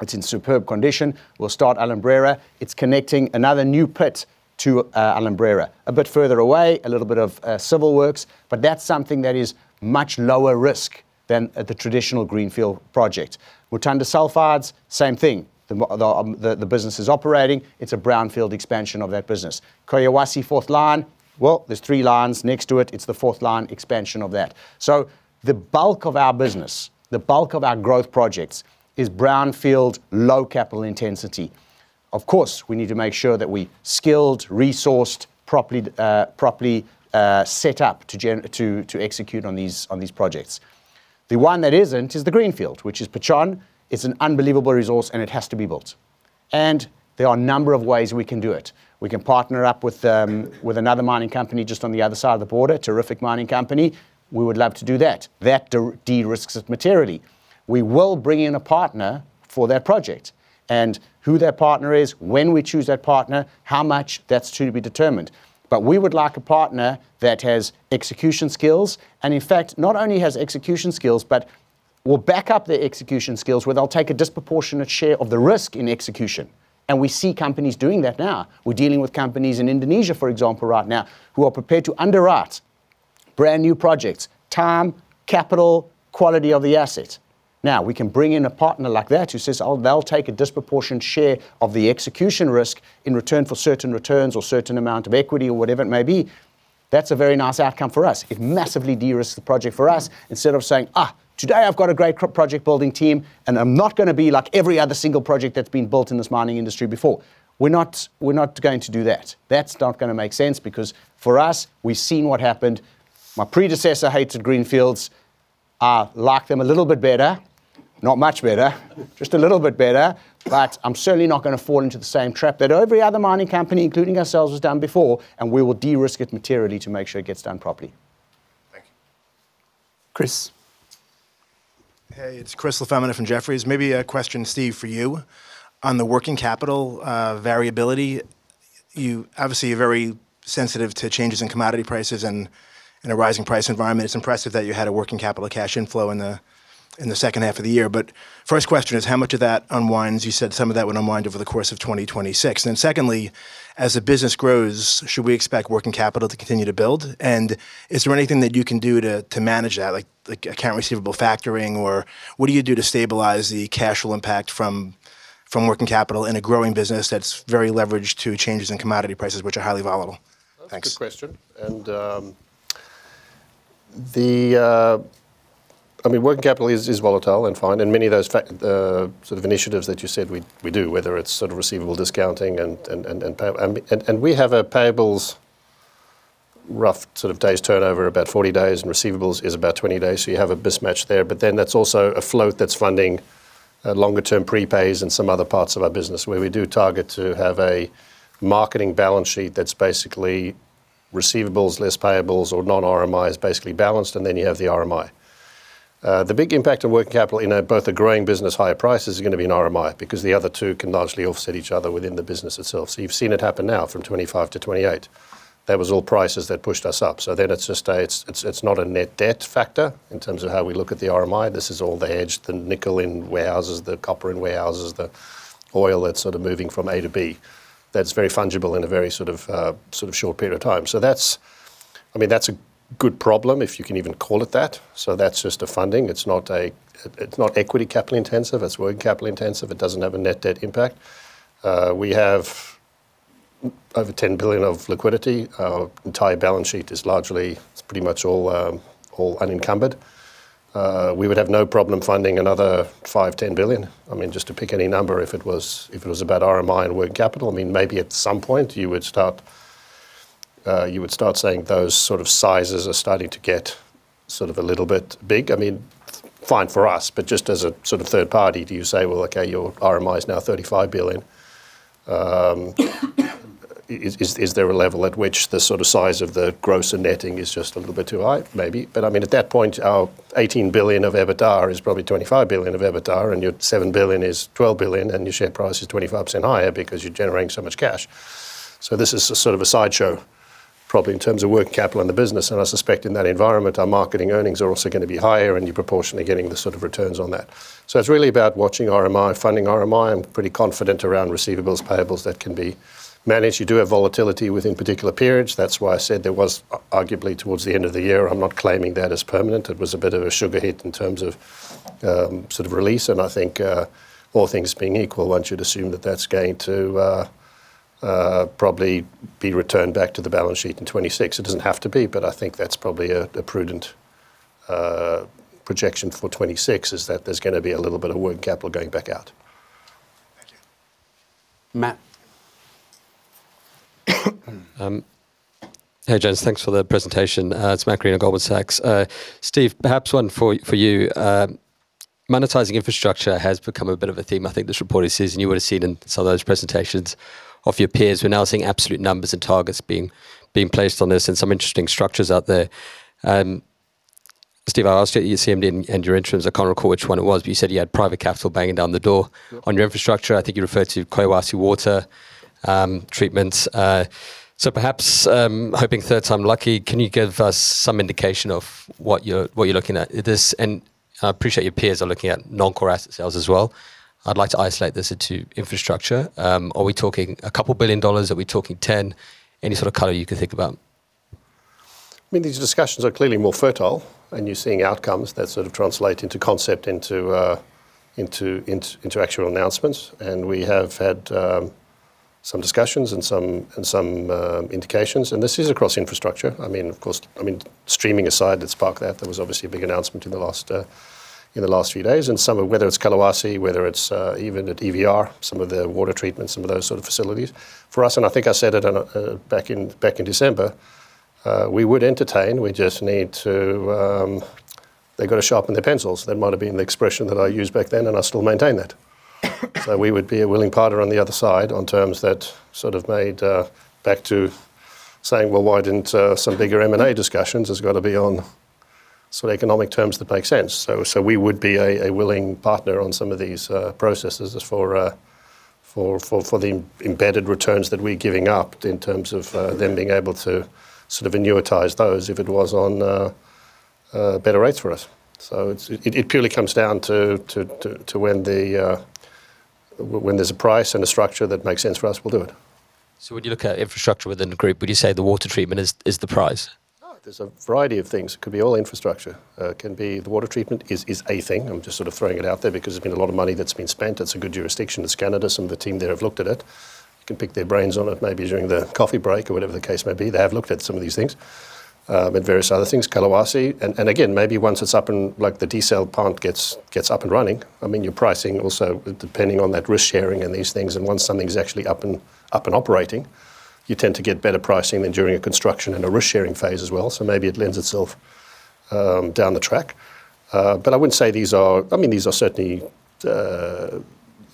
B: It's in superb condition. We'll start Alumbrera. It's connecting another new pit to Alumbrera. A bit further away, a little bit of civil works, but that's something that is much lower risk than at the traditional greenfield project. Mutanda sulphides, same thing. The business is operating, it's a brownfield expansion of that business. Collahuasi fourth line, well, there's three lines next to it, it's the fourth line expansion of that. The bulk of our business, the bulk of our growth projects is brownfield, low capital intensity. Of course, we need to make sure that we skilled, resourced, properly set up to execute on these projects. The one that isn't is the greenfield, which is Pachón. It's an unbelievable resource, and it has to be built. There are a number of ways we can do it. We can partner up with another mining company just on the other side of the border, terrific mining company. We would love to do that. That de-risks it materially. We will bring in a partner for that project, and who that partner is, when we choose that partner, how much, that's to be determined. But we would like a partner that has execution skills, and in fact, not only has execution skills, but will back up their execution skills where they'll take a disproportionate share of the risk in execution, and we see companies doing that now. We're dealing with companies in Indonesia, for example, right now, who are prepared to underwrite brand-new projects: time, capital, quality of the asset. Now, we can bring in a partner like that who says, oh, they'll take a disproportionate share of the execution risk in return for certain returns or certain amount of equity or whatever it may be. That's a very nice outcome for us. It massively de-risks the project for us, instead of saying, "Ah, today I've got a great project building team, and I'm not gonna be like every other single project that's been built in this mining industry before." We're not, we're not going to do that. That's not gonna make sense, because for us, we've seen what happened. My predecessor hated greenfields. I like them a little bit better, not much better, just a little bit better. But I'm certainly not gonna fall into the same trap that every other mining company, including ourselves, has done before, and we will de-risk it materially to make sure it gets done properly.
E: Thank you.
A: Chris?
F: Hey, it's Chris LaFemina from Jefferies. Maybe a question, Steve, for you. On the working capital variability, you're obviously very sensitive to changes in commodity prices and in a rising price environment. It's impressive that you had a working capital cash inflow in the second half of the year. But first question is, how much of that unwinds? You said some of that would unwind over the course of 2026. Then secondly, as the business grows, should we expect working capital to continue to build? And is there anything that you can do to manage that, like accounts receivable factoring, or what do you do to stabilize the causal impact from working capital in a growing business that's very leveraged to changes in commodity prices, which are highly volatile? Thanks.
C: That's a good question. I mean, working capital is volatile and fine, and many of those factors sort of initiatives that you said we do, whether it's sort of receivable discounting and payables. And we have a payables roughly sort of days turnover, about 40 days, and receivables is about 20 days, so you have a mismatch there. But then that's also a float that's funding longer-term prepays in some other parts of our business, where we do target to have a marketing balance sheet that's basically receivables less payables or non-RMI is basically balanced, and then you have the RMI. The big impact of working capital in both the growing business, higher prices, is gonna be in RMI, because the other two can largely offset each other within the business itself. So you've seen it happen now from 25 to 28. That was all prices that pushed us up. So then it's just a—it's not a net debt factor in terms of how we look at the RMI. This is all the hedge, the nickel in warehouses, the copper in warehouses, the oil that's sort of moving from A to B, that's very fungible in a very sort of, sort of short period of time. So that's—I mean, that's a good problem, if you can even call it that. So that's just a funding. It's not equity capital intensive, it's working capital intensive. It doesn't have a net debt impact. We have over $10 billion of liquidity. Our entire balance sheet is largely, it's pretty much all, all unencumbered. We would have no problem finding another $5-$10 billion. I mean, just to pick any number, if it was, if it was about RMI and working capital, I mean, maybe at some point you would start, you would start saying those sort of sizes are starting to get sort of a little bit big. I mean, fine for us, but just as a sort of third party, do you say, "Well, okay, your RMI is now $35 billion?" Is there a level at which the sort of size of the gross and netting is just a little bit too high? Maybe. But I mean, at that point, our $18 billion of EBITDA is probably $25 billion of EBITDA, and your $7 billion is $12 billion, and your share price is 25% higher because you're generating so much cash. So this is a sort of a sideshow, probably in terms of working capital in the business, and I suspect in that environment, our marketing earnings are also gonna be higher, and you're proportionally getting the sort of returns on that. So it's really about watching RMI, funding RMI. I'm pretty confident around receivables, payables, that can be managed. You do have volatility within particular periods. That's why I said there was arguably towards the end of the year, I'm not claiming that as permanent. It was a bit of a sugar hit in terms of sort of release, and I think, all things being equal, one should assume that that's going to probably be returned back to the balance sheet in 2026. It doesn't have to be, but I think that's probably a prudent projection for 2026, is that there's gonna be a little bit of working capital going back out.
F: Thank you.
A: Matt?
G: Hey, gents, thanks for the presentation. It's Matt Greene at Goldman Sachs. Steve, perhaps one for you. Monetizing infrastructure has become a bit of a theme, I think, this reporting season. You would have seen in some of those presentations of your peers. We're now seeing absolute numbers and targets being placed on this and some interesting structures out there. Steve, I asked you at the ECM and your entrance. I can't recall which one it was, but you said you had private capital banging down the door. On your infrastructure, I think you referred to Kolwezi water treatments. So perhaps, hoping third time lucky, can you give us some indication of what you're looking at? This. And I appreciate your peers are looking at non-core asset sales as well. I'd like to isolate this into infrastructure. Are we talking $2 billion? Are we talking $10 billion? Any sort of color you can think about?
C: I mean, these discussions are clearly more fertile, and you're seeing outcomes that sort of translate into concept, into actual announcements. And we have had some discussions and some indications, and this is across infrastructure. I mean, of course, I mean, streaming aside, that sparked that. There was obviously a big announcement in the last few days. And some of....Whether it's Kolwezi, whether it's even at EVR, some of the water treatment, some of those sort of facilities. For us, and I think I said it on a back in December, we would entertain. We just need to... They've got to sharpen their pencils. That might have been the expression that I used back then, and I still maintain that. So we would be a willing partner on the other side on terms that sort of made back to saying, well, why didn't some bigger M&A discussions? It's got to be on sort of economic terms that make sense. So we would be a willing partner on some of these processes as for the embedded returns that we're giving up in terms of them being able to sort of annuitize those if it was on better rates for us. So it purely comes down to when there's a price and a structure that makes sense for us, we'll do it.
G: When you look at infrastructure within the group, would you say the water treatment is the prize?
C: No, there's a variety of things. It could be all infrastructure. It can be the water treatment is, is a thing. I'm just sort of throwing it out there because there's been a lot of money that's been spent. It's a good jurisdiction. It's Canada, some of the team there have looked at it. You can pick their brains on it, maybe during the coffee break or whatever the case may be. They have looked at some of these things, and various other things, Kolwezi. And, and again, maybe once it's up and like the desal plant gets, gets up and running, I mean, your pricing also depending on that risk sharing and these things, and once something's actually up and, up and operating, you tend to get better pricing than during a construction and a risk-sharing phase as well. So maybe it lends itself down the track. But I wouldn't say these are... I mean, these are certainly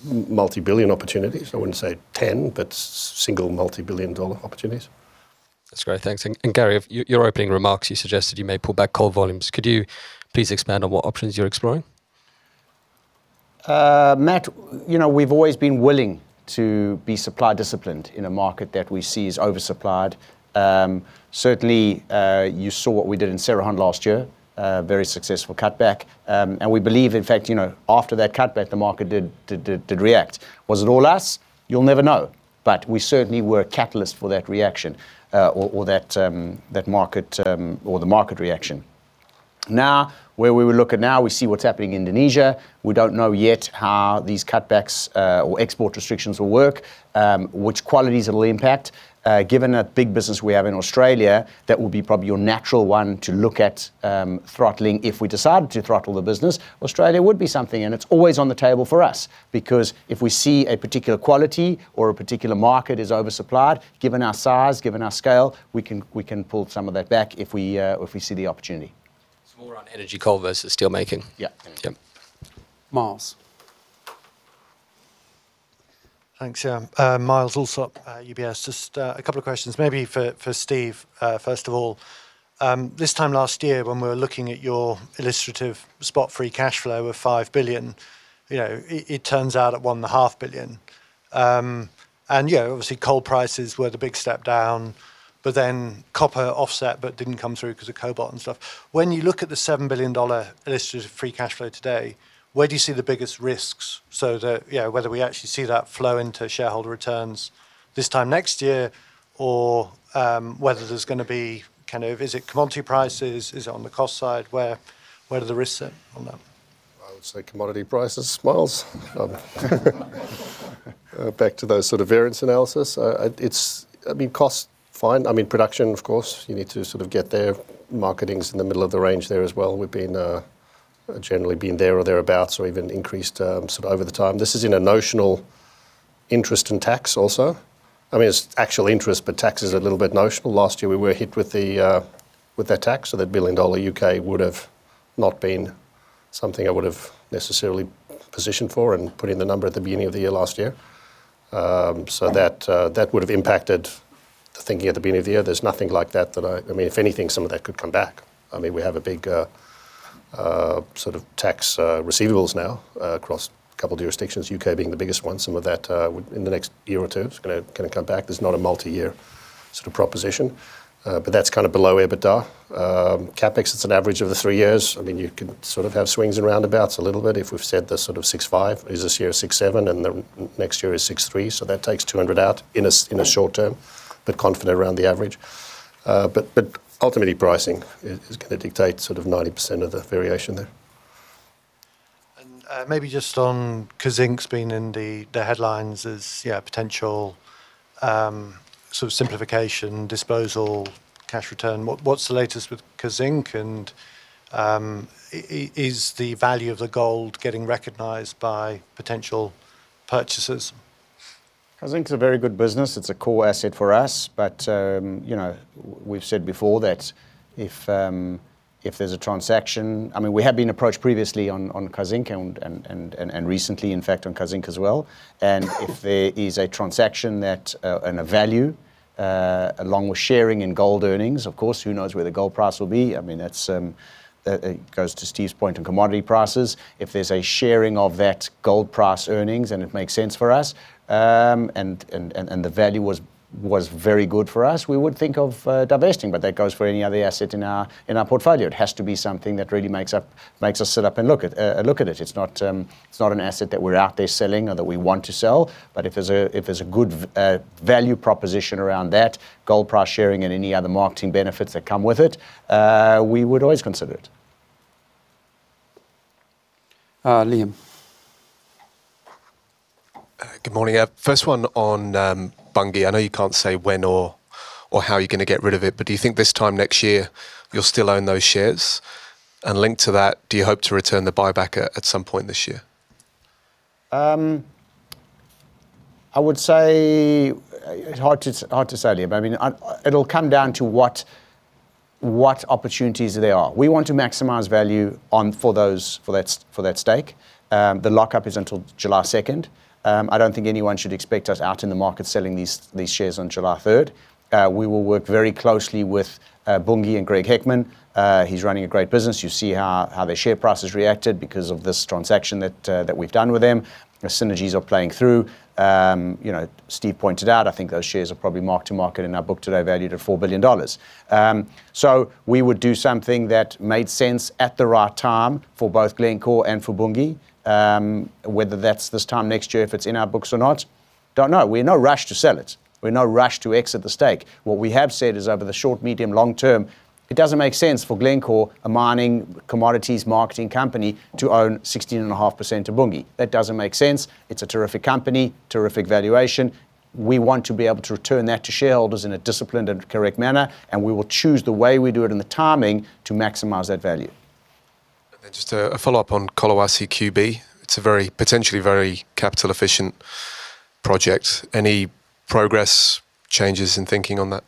C: multibillion opportunities. I wouldn't say 10, but single multibillion-dollar opportunities.
G: That's great. Thanks. And Gary, of your opening remarks, you suggested you may pull back coal volumes. Could you please expand on what options you're exploring?
B: Matt, you know, we've always been willing to be supply disciplined in a market that we see is oversupplied. Certainly, you saw what we did in Cerrejón last year, a very successful cutback. And we believe, in fact, you know, after that cutback, the market did react. Was it all us? You'll never know. But we certainly were a catalyst for that reaction, or that market reaction. Now, where we will look at now, we see what's happening in Indonesia. We don't know yet how these cutbacks or export restrictions will work, which qualities it'll impact. Given a big business we have in Australia, that will be probably your natural one to look at, throttling. If we decide to throttle the business, Australia would be something, and it's always on the table for us. Because if we see a particular quality or a particular market is oversupplied, given our size, given our scale, we can, we can pull some of that back if we, if we see the opportunity.
G: It's more on energy coal versus steelmaking?
B: Yeah.
G: Yep.
A: Myles.
H: Thanks. Yeah. Myles Allsop, UBS. Just, a couple of questions, maybe for, for Steve, first of all. This time last year, when we were looking at your illustrative spot-free cash flow of $5 billion, you know, it, it turns out at $1.5 billion. And yeah, obviously, coal prices were the big step down, but then copper offset but didn't come through 'cause of cobalt and stuff. When you look at the $7 billion illustrative free cash flow today, where do you see the biggest risks so that, you know, whether we actually see that flow into shareholder returns this time next year, or, whether there's gonna be... Kind of, is it commodity prices? Is it on the cost side? Where, where do the risks sit on that?
C: I would say commodity prices, Myles. Back to those sort of variance analysis, it's... I mean, cost, fine. I mean, production, of course, you need to sort of get there. Marketing's in the middle of the range there as well. We've been, generally been there or thereabouts or even increased, sort of over the time. This is in a notional interest in tax also. I mean, it's actual interest, but tax is a little bit notional. Last year, we were hit with the, with that tax, so that $1 billion U.K. would've not been something I would've necessarily positioned for and put in the number at the beginning of the year, last year. So that, that would've impacted the thinking at the beginning of the year. There's nothing like that that I... I mean, if anything, some of that could come back. I mean, we have a big sort of tax receivables now across a couple of jurisdictions, U.K. being the biggest one. Some of that would in the next year or two, it's gonna come back. There's not a multi-year sort of proposition, but that's kind of below EBITDA. CapEx, it's an average of the three years. I mean, you can sort of have swings and roundabouts a little bit if we've said the sort of $650, is this year $670, and next year is $630, so that takes $200 out in a short term, but confident around the average. But ultimately, pricing is gonna dictate sort of 90% of the variation there.
H: Maybe just on Kazzinc's been in the headlines as potential sort of simplification, disposal, cash return. What's the latest with Kazzinc, and is the value of the gold getting recognized by potential purchasers?
B: Kazzinc is a very good business. It's a core asset for us, but, you know, we've said before that if there's a transaction... I mean, we have been approached previously on Kazzinc, and recently, in fact, on Kazzinc as well. If there is a transaction that, and a value—along with sharing in gold earnings, of course, who knows where the gold price will be? I mean, that goes to Steve's point on commodity prices. If there's a sharing of that gold price earnings, and it makes sense for us, and the value was very good for us, we would think of divesting. That goes for any other asset in our portfolio. It has to be something that really makes us sit up and look at it. It's not an asset that we're out there selling or that we want to sell, but if there's a good value proposition around that, gold price sharing and any other marketing benefits that come with it, we would always consider it.
A: Uh, Liam.
I: Good morning. First one on Bunge. I know you can't say when or how you're gonna get rid of it, but do you think this time next year you'll still own those shares? And linked to that, do you hope to return the buyback at some point this year?
B: I would say... It's hard to, hard to say, Liam. I mean, it'll come down to what opportunities there are. We want to maximize value for those, for that, for that stake. The lock-up is until July 2. I don't think anyone should expect us out in the market selling these shares on July 3. We will work very closely with Bunge and Greg Heckman. He's running a great business. You see how the share price has reacted because of this transaction that we've done with him. The synergies are playing through. You know, Steve pointed out, I think those shares are probably mark to market in our book today, valued at $4 billion. We would do something that made sense at the right time for both Glencore and for Bunge. Whether that's this time next year, if it's in our books or not, don't know. We're in no rush to sell it. We're in no rush to exit the stake. What we have said is, over the short, medium, long term, it doesn't make sense for Glencore, a mining commodities marketing company, to own 16.5% of Bunge. That doesn't make sense. It's a terrific company, terrific valuation. We want to be able to return that to shareholders in a disciplined and correct manner, and we will choose the way we do it and the timing to maximize that value.
I: Then just a follow-up on Collahuasi QB. It's a very, potentially very capital-efficient project. Any progress, changes in thinking on that?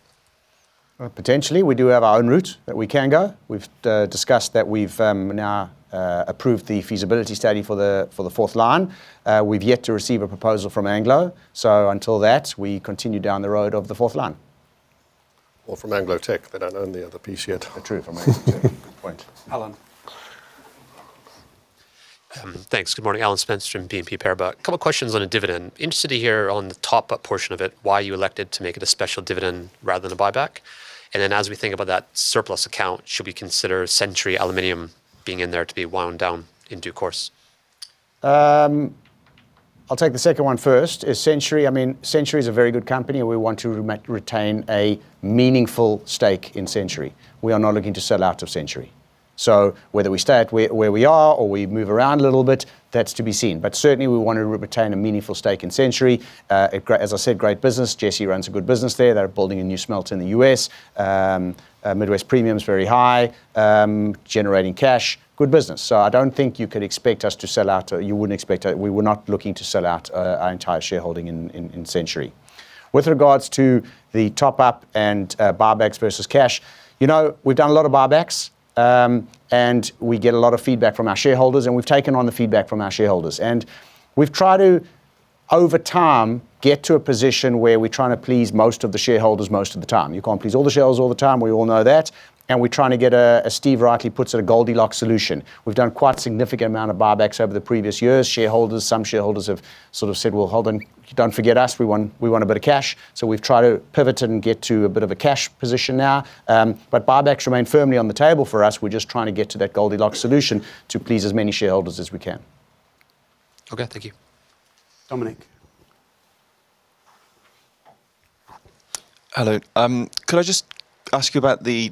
B: Potentially. We do have our own route that we can go. We've discussed that we've now approved the feasibility study for the fourth line. We've yet to receive a proposal from Anglo, so until that, we continue down the road of the fourth line.
C: Or from Anglo-Teck. They don't own the other piece yet.
B: True, from Anglo-Teck. Good point.
A: Alan.
J: Thanks. Good morning, Alan Spence from BNP Paribas. A couple questions on the dividend. Interested to hear on the top-up portion of it, why you elected to make it a special dividend rather than a buyback? And then, as we think about that surplus account, should we consider Century Aluminum being in there to be wound down in due course?
B: I'll take the second one first. Century... I mean, Century is a very good company, and we want to retain a meaningful stake in Century. We are not looking to sell out of Century. So whether we stay at where we are or we move around a little bit, that's to be seen. But certainly, we want to retain a meaningful stake in Century. A great... As I said, great business. Jesse runs a good business there. They're building a new smelter in the U.S. Midwest premium is very high, generating cash. Good business. So I don't think you could expect us to sell out. You wouldn't expect it. We were not looking to sell out our entire shareholding in Century. With regards to the top-up and buybacks versus cash, you know, we've done a lot of buybacks, and we get a lot of feedback from our shareholders, and we've taken on the feedback from our shareholders. We've tried to, over time, get to a position where we're trying to please most of the shareholders most of the time. You can't please all the shareholders all the time. We all know that, and we're trying to get a, as Steve rightly puts it, a Goldilocks solution. We've done quite a significant amount of buybacks over the previous years. Shareholders, some shareholders, have sort of said, "Well, hold on, don't forget us. We want, we want a bit of cash." So we've tried to pivot and get to a bit of a cash position now. But buybacks remain firmly on the table for us. We're just trying to get to that Goldilocks solution to please as many shareholders as we can.
J: Okay, thank you.
A: Dominic.
K: Hello. Could I just ask you about the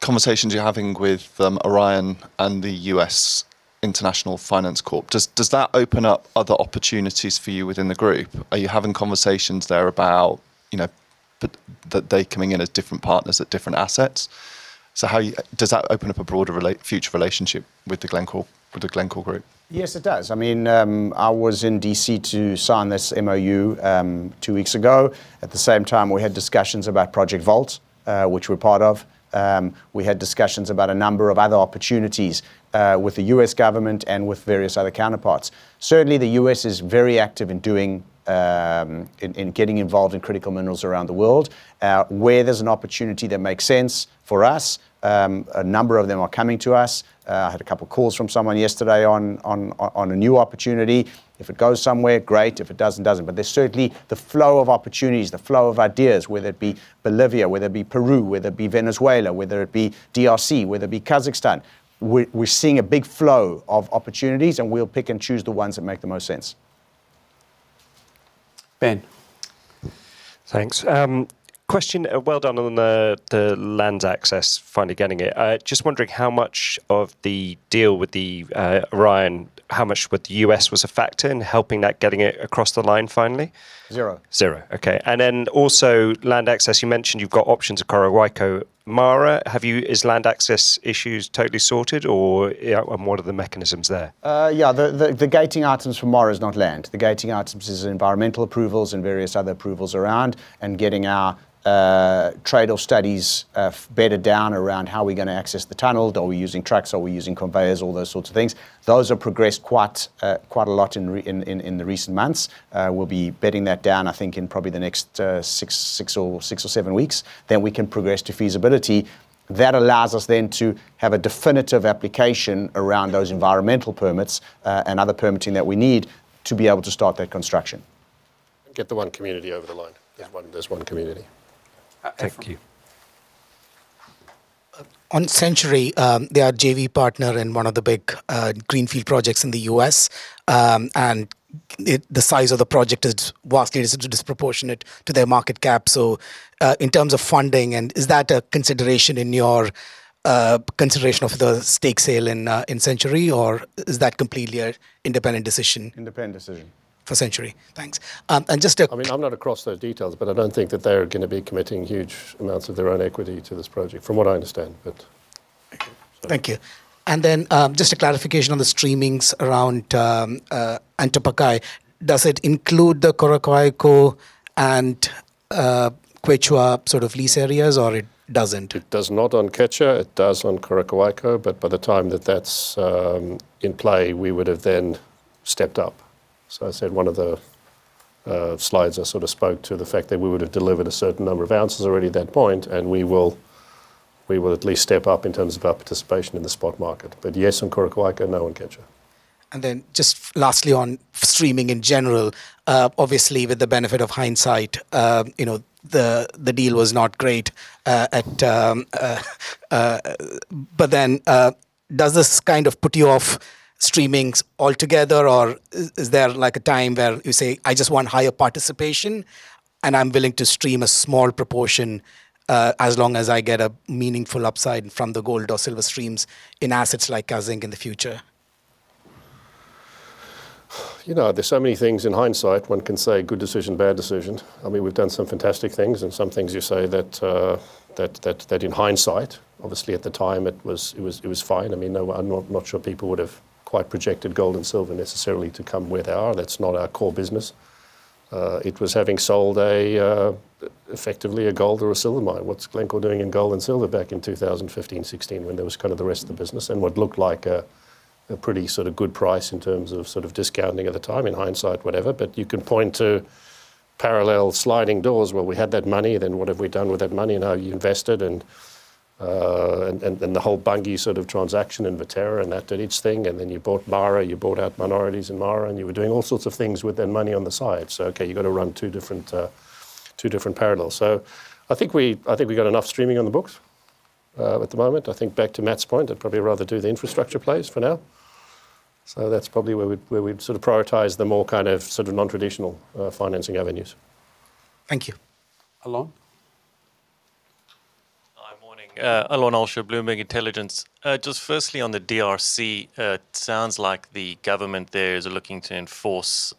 K: conversations you're having with Orion and the U.S. International Development Finance Corporation? Does that open up other opportunities for you within the group? Are you having conversations there about, you know, that they coming in as different partners at different assets? How you... Does that open up a broader future relationship with Glencore, with the Glencore group?
B: Yes, it does. I mean, I was in D.C. to sign this MoU two weeks ago. At the same time, we had discussions about Project Vault, which we're part of. We had discussions about a number of other opportunities with the U.S. government and with various other counterparts. Certainly, the U.S. is very active in doing... in getting involved in critical minerals around the world. Where there's an opportunity that makes sense for us, a number of them are coming to us. I had a couple calls from someone yesterday on a new opportunity. If it goes somewhere, great. If it doesn't, doesn't. But there's certainly the flow of opportunities, the flow of ideas, whether it be Bolivia, whether it be Peru, whether it be Venezuela, whether it be DRC, whether it be Kazakhstan. We're seeing a big flow of opportunities, and we'll pick and choose the ones that make the most sense.
A: Ben.
L: Thanks. Question, well done on the land access, finally getting it. I'm just wondering how much of the deal with the Orion, how much with the U.S. was a factor in helping that, getting it across the line finally?
B: Zero.
L: Zero, okay. Also, land access, you mentioned you've got options of Coroccohuayco, MARA. Have you—is land access issues totally sorted, or, and what are the mechanisms there?
B: Yeah, the gating items from MARA is not land. The gating items is environmental approvals and various other approvals around, and getting our trade-off studies bedded down around how we're gonna access the tunnel. Are we using trucks? Are we using conveyors? All those sorts of things. Those have progressed quite a lot in the recent months. We'll be bedding that down, I think, in probably the next six or seven weeks, then we can progress to feasibility. That allows us then to have a definitive application around those environmental permits and other permitting that we need to be able to start that construction.
C: Get the one community over the line.
B: Yeah.
C: One, just one community. Thank you.
L: On Century, they are a JV partner in one of the big greenfield projects in the U.S. And the size of the project is vastly disproportionate to their market cap. So, in terms of funding, and is that a consideration in your consideration of the stake sale in Century? Or is that completely an independent decision?
C: Independent decision.
L: For Century. Thanks.
C: I mean, I'm not across those details, but I don't think that they're gonna be committing huge amounts of their own equity to this project, from what I understand, but...
L: Thank you. Just a clarification on the streamings around Antapaccay. Does it include the Coroccohuayco and Quechua sort of lease areas, or it doesn't?
C: It does not on Quechua. It does on Coroccohuayco, but by the time that that's in play, we would have then stepped up. So I said one of the slides I sort of spoke to the fact that we would have delivered a certain number of ounces already at that point, and we will, we will at least step up in terms of our participation in the spot market. But yes, on Coroccohuayco, no on Quechua.
L: And then just lastly, on streaming in general, obviously, with the benefit of hindsight, you know, the deal was not great... But then, does this kind of put you off streaming altogether, or is there like a time where you say, "I just want higher participation, and I'm willing to stream a small proportion, as long as I get a meaningful upside from the gold or silver streams in assets like Kazzinc in the future?
C: You know, there's so many things in hindsight. One can say, good decision, bad decision. I mean, we've done some fantastic things and some things you say that, that in hindsight, obviously at the time, it was, it was, it was fine. I mean, no, I'm not, not sure people would have quite projected gold and silver necessarily to come where they are. That's not our core business. It was having sold a, effectively a gold or a silver mine. What's Glencore doing in gold and silver back in 2015, 2016, when there was kind of the rest of the business? And what looked like a, a pretty sort of good price in terms of sort of discounting at the time, in hindsight, whatever. But you can point to parallel sliding doors where we had that money, and then what have we done with that money and how you invested, and, and, and the whole Bunge sort of transaction in Viterra, and that did its thing. And then you bought MARA, you bought out minorities in MARA, and you were doing all sorts of things with their money on the side. So, okay, you've got to run two different, two different parallels. So I think I think we got enough streaming on the books, at the moment. I think back to Matt's point, I'd probably rather do the infrastructure plays for now. So that's probably where we, where we'd sort of prioritize the more kind of sort of non-traditional, financing avenues.
L: Thank you.
A: Alon?
M: Hi, morning. Alon Olsha, Bloomberg Intelligence. Just firstly, on the DRC, it sounds like the government there is looking to enforce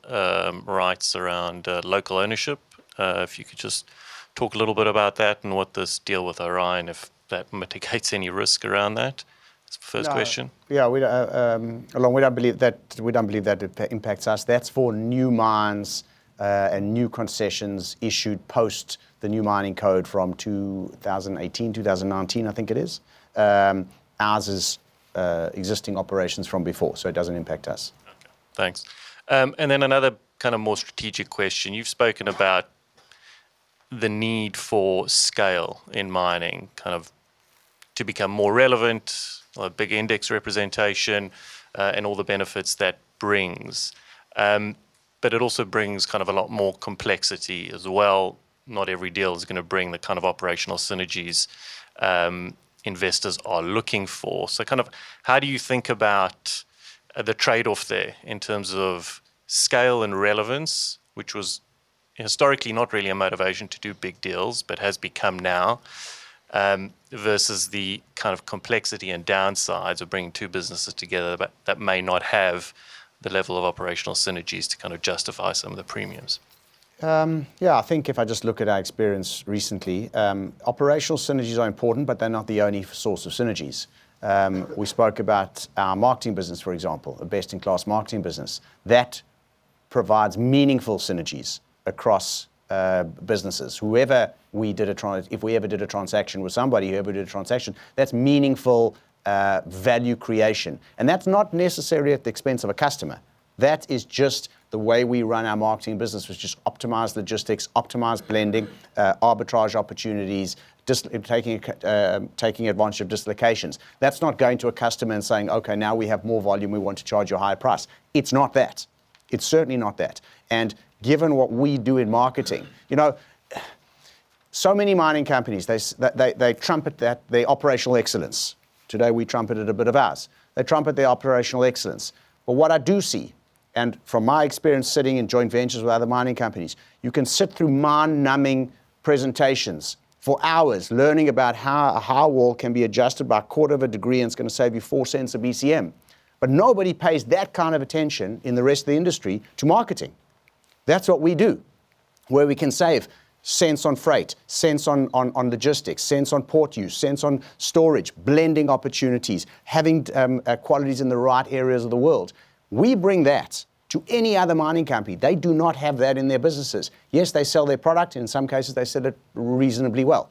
M: rights around local ownership. If you could just talk a little bit about that and what this deal with Orion, if that mitigates any risk around that? It's the first question.
B: Yeah, we, Alon, we don't believe that it impacts us. That's for new mines, and new concessions issued post the new mining code from 2018, 2019, I think it is. Ours is existing operations from before, so it doesn't impact us.
M: Okay, thanks. Another kind of more strategic question: You've spoken about the need for scale in mining, kind of to become more relevant, a big index representation, and all the benefits that brings. It also brings a lot more complexity as well. Not every deal is gonna bring the kind of operational synergies investors are looking for. How do you think about the trade-off there in terms of scale and relevance, which was historically not really a motivation to do big deals, but has become now, versus the kind of complexity and downsides of bringing two businesses together that may not have the level of operational synergies to justify some of the premiums?
B: Yeah, I think if I just look at our experience recently, operational synergies are important, but they're not the only source of synergies. We spoke about our marketing business, for example, a best-in-class marketing business. That provides meaningful synergies across, businesses. Whoever we did a trans-- If we ever did a transaction with somebody, whoever did a transaction, that's meaningful, value creation, and that's not necessarily at the expense of a customer. That is just the way we run our marketing business, which is optimize logistics, optimize blending, arbitrage opportunities, dis-- taking a, taking advantage of dislocations. That's not going to a customer and saying, "Okay, now we have more volume, we want to charge you a higher price." It's not that. It's certainly not that. Given what we do in marketing... You know, so many mining companies, they trumpet that their operational excellence. Today, we trumpeted a bit of ours. They trumpet their operational excellence. But what I do see, and from my experience sitting in joint ventures with other mining companies, you can sit through mind-numbing presentations for hours, learning about how a highwall can be adjusted by a quarter of a degree, and it's gonna save you four cents a BCM. But nobody pays that kind of attention in the rest of the industry to marketing. That's what we do, where we can save cents on freight, cents on logistics, cents on port use, cents on storage, blending opportunities, having qualities in the right areas of the world. We bring that to any other mining company. They do not have that in their businesses. Yes, they sell their product, and in some cases, they sell it reasonably well...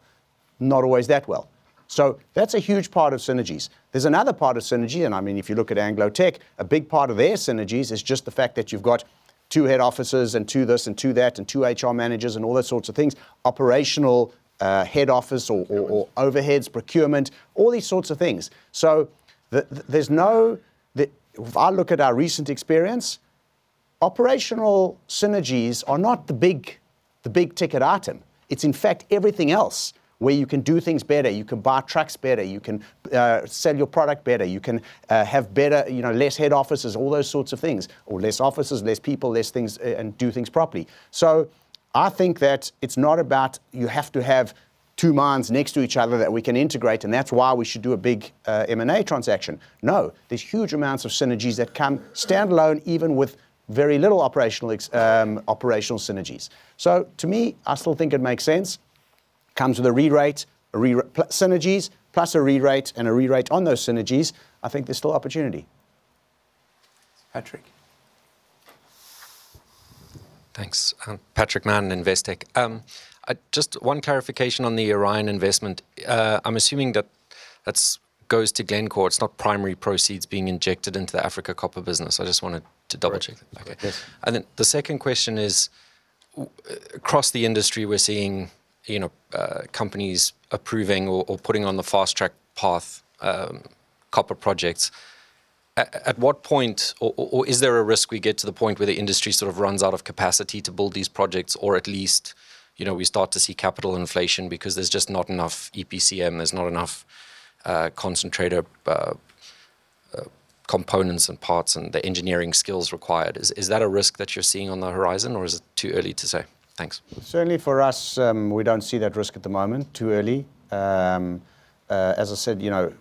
B: not always that well. So that's a huge part of synergies. There's another part of synergy, and I mean, if you look at Anglo-Teck, a big part of their synergies is just the fact that you've got two head offices and two this and two that, and two HR managers, and all those sorts of things. Operational, head office or overheads, procurement, all these sorts of things. So, if I look at our recent experience, operational synergies are not the big-ticket item. It's in fact everything else, where you can do things better, you can buy trucks better, you can sell your product better, you can have better... You know, less head offices, all those sorts of things, or less offices, less people, less things, and do things properly. So I think that it's not about you have to have two mines next to each other that we can integrate, and that's why we should do a big M&A transaction. No, there's huge amounts of synergies that come standalone, even with very little operational synergies. So to me, I still think it makes sense. Come to the re-rate, a re-rate plus synergies, plus a re-rate and a re-rate on those synergies, I think there's still opportunity.
A: Patrick?
N: Thanks. Patrick Mann, Investec. Just one clarification on the Orion investment. I'm assuming that that's goes to Glencore. It's not primary proceeds being injected into the Africa copper business. I just wanted to double-check that.
B: Right.
N: Okay.
B: Yes.
N: And then the second question is, across the industry, we're seeing, you know, companies approving or putting on the fast-track path, copper projects. At what point, or is there a risk we get to the point where the industry sort of runs out of capacity to build these projects? Or at least, you know, we start to see capital inflation because there's just not enough EPCM, there's not enough, concentrator, components and parts and the engineering skills required. Is that a risk that you're seeing on the horizon, or is it too early to say? Thanks.
B: Certainly for us, we don't see that risk at the moment. Too early. As I said, you know,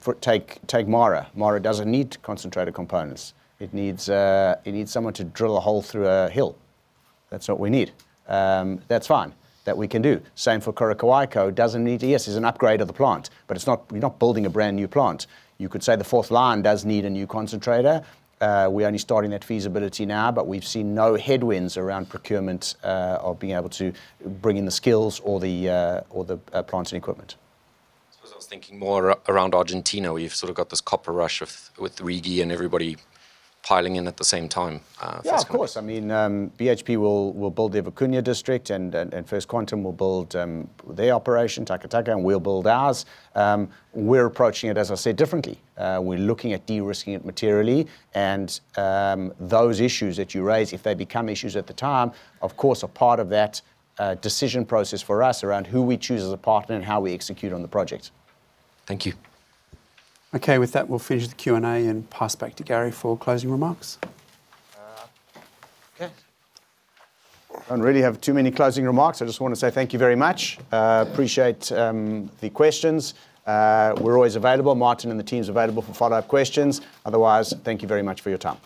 B: for take, take MARA. MARA doesn't need concentrator components. It needs, it needs someone to drill a hole through a hill. That's what we need. That's fine. That we can do. Same for Coroccohuayco, doesn't need. Yes, it's an upgrade of the plant, but it's not, we're not building a brand-new plant. You could say the fourth line does need a new concentrator. We're only starting that feasibility now, but we've seen no headwinds around procurement, or being able to bring in the skills or the, or the, plant and equipment.
N: I suppose I was thinking more around Argentina, where you've sort of got this copper rush with RIGI and everybody piling in at the same time, first-
B: Yeah, of course. I mean, BHP will build the Vicuña District, and First Quantum will build their operation, Taca Taca, and we'll build ours. We're approaching it, as I said, differently. We're looking at de-risking it materially. Those issues that you raise, if they become issues at the time, of course, are part of that decision process for us around who we choose as a partner and how we execute on the project.
N: Thank you.
A: Okay, with that, we'll finish the Q&A and pass back to Gary for closing remarks.
B: Okay. I don't really have too many closing remarks. I just want to say thank you very much. Appreciate the questions. We're always available. Martin and the team's available for follow-up questions. Otherwise, thank you very much for your time.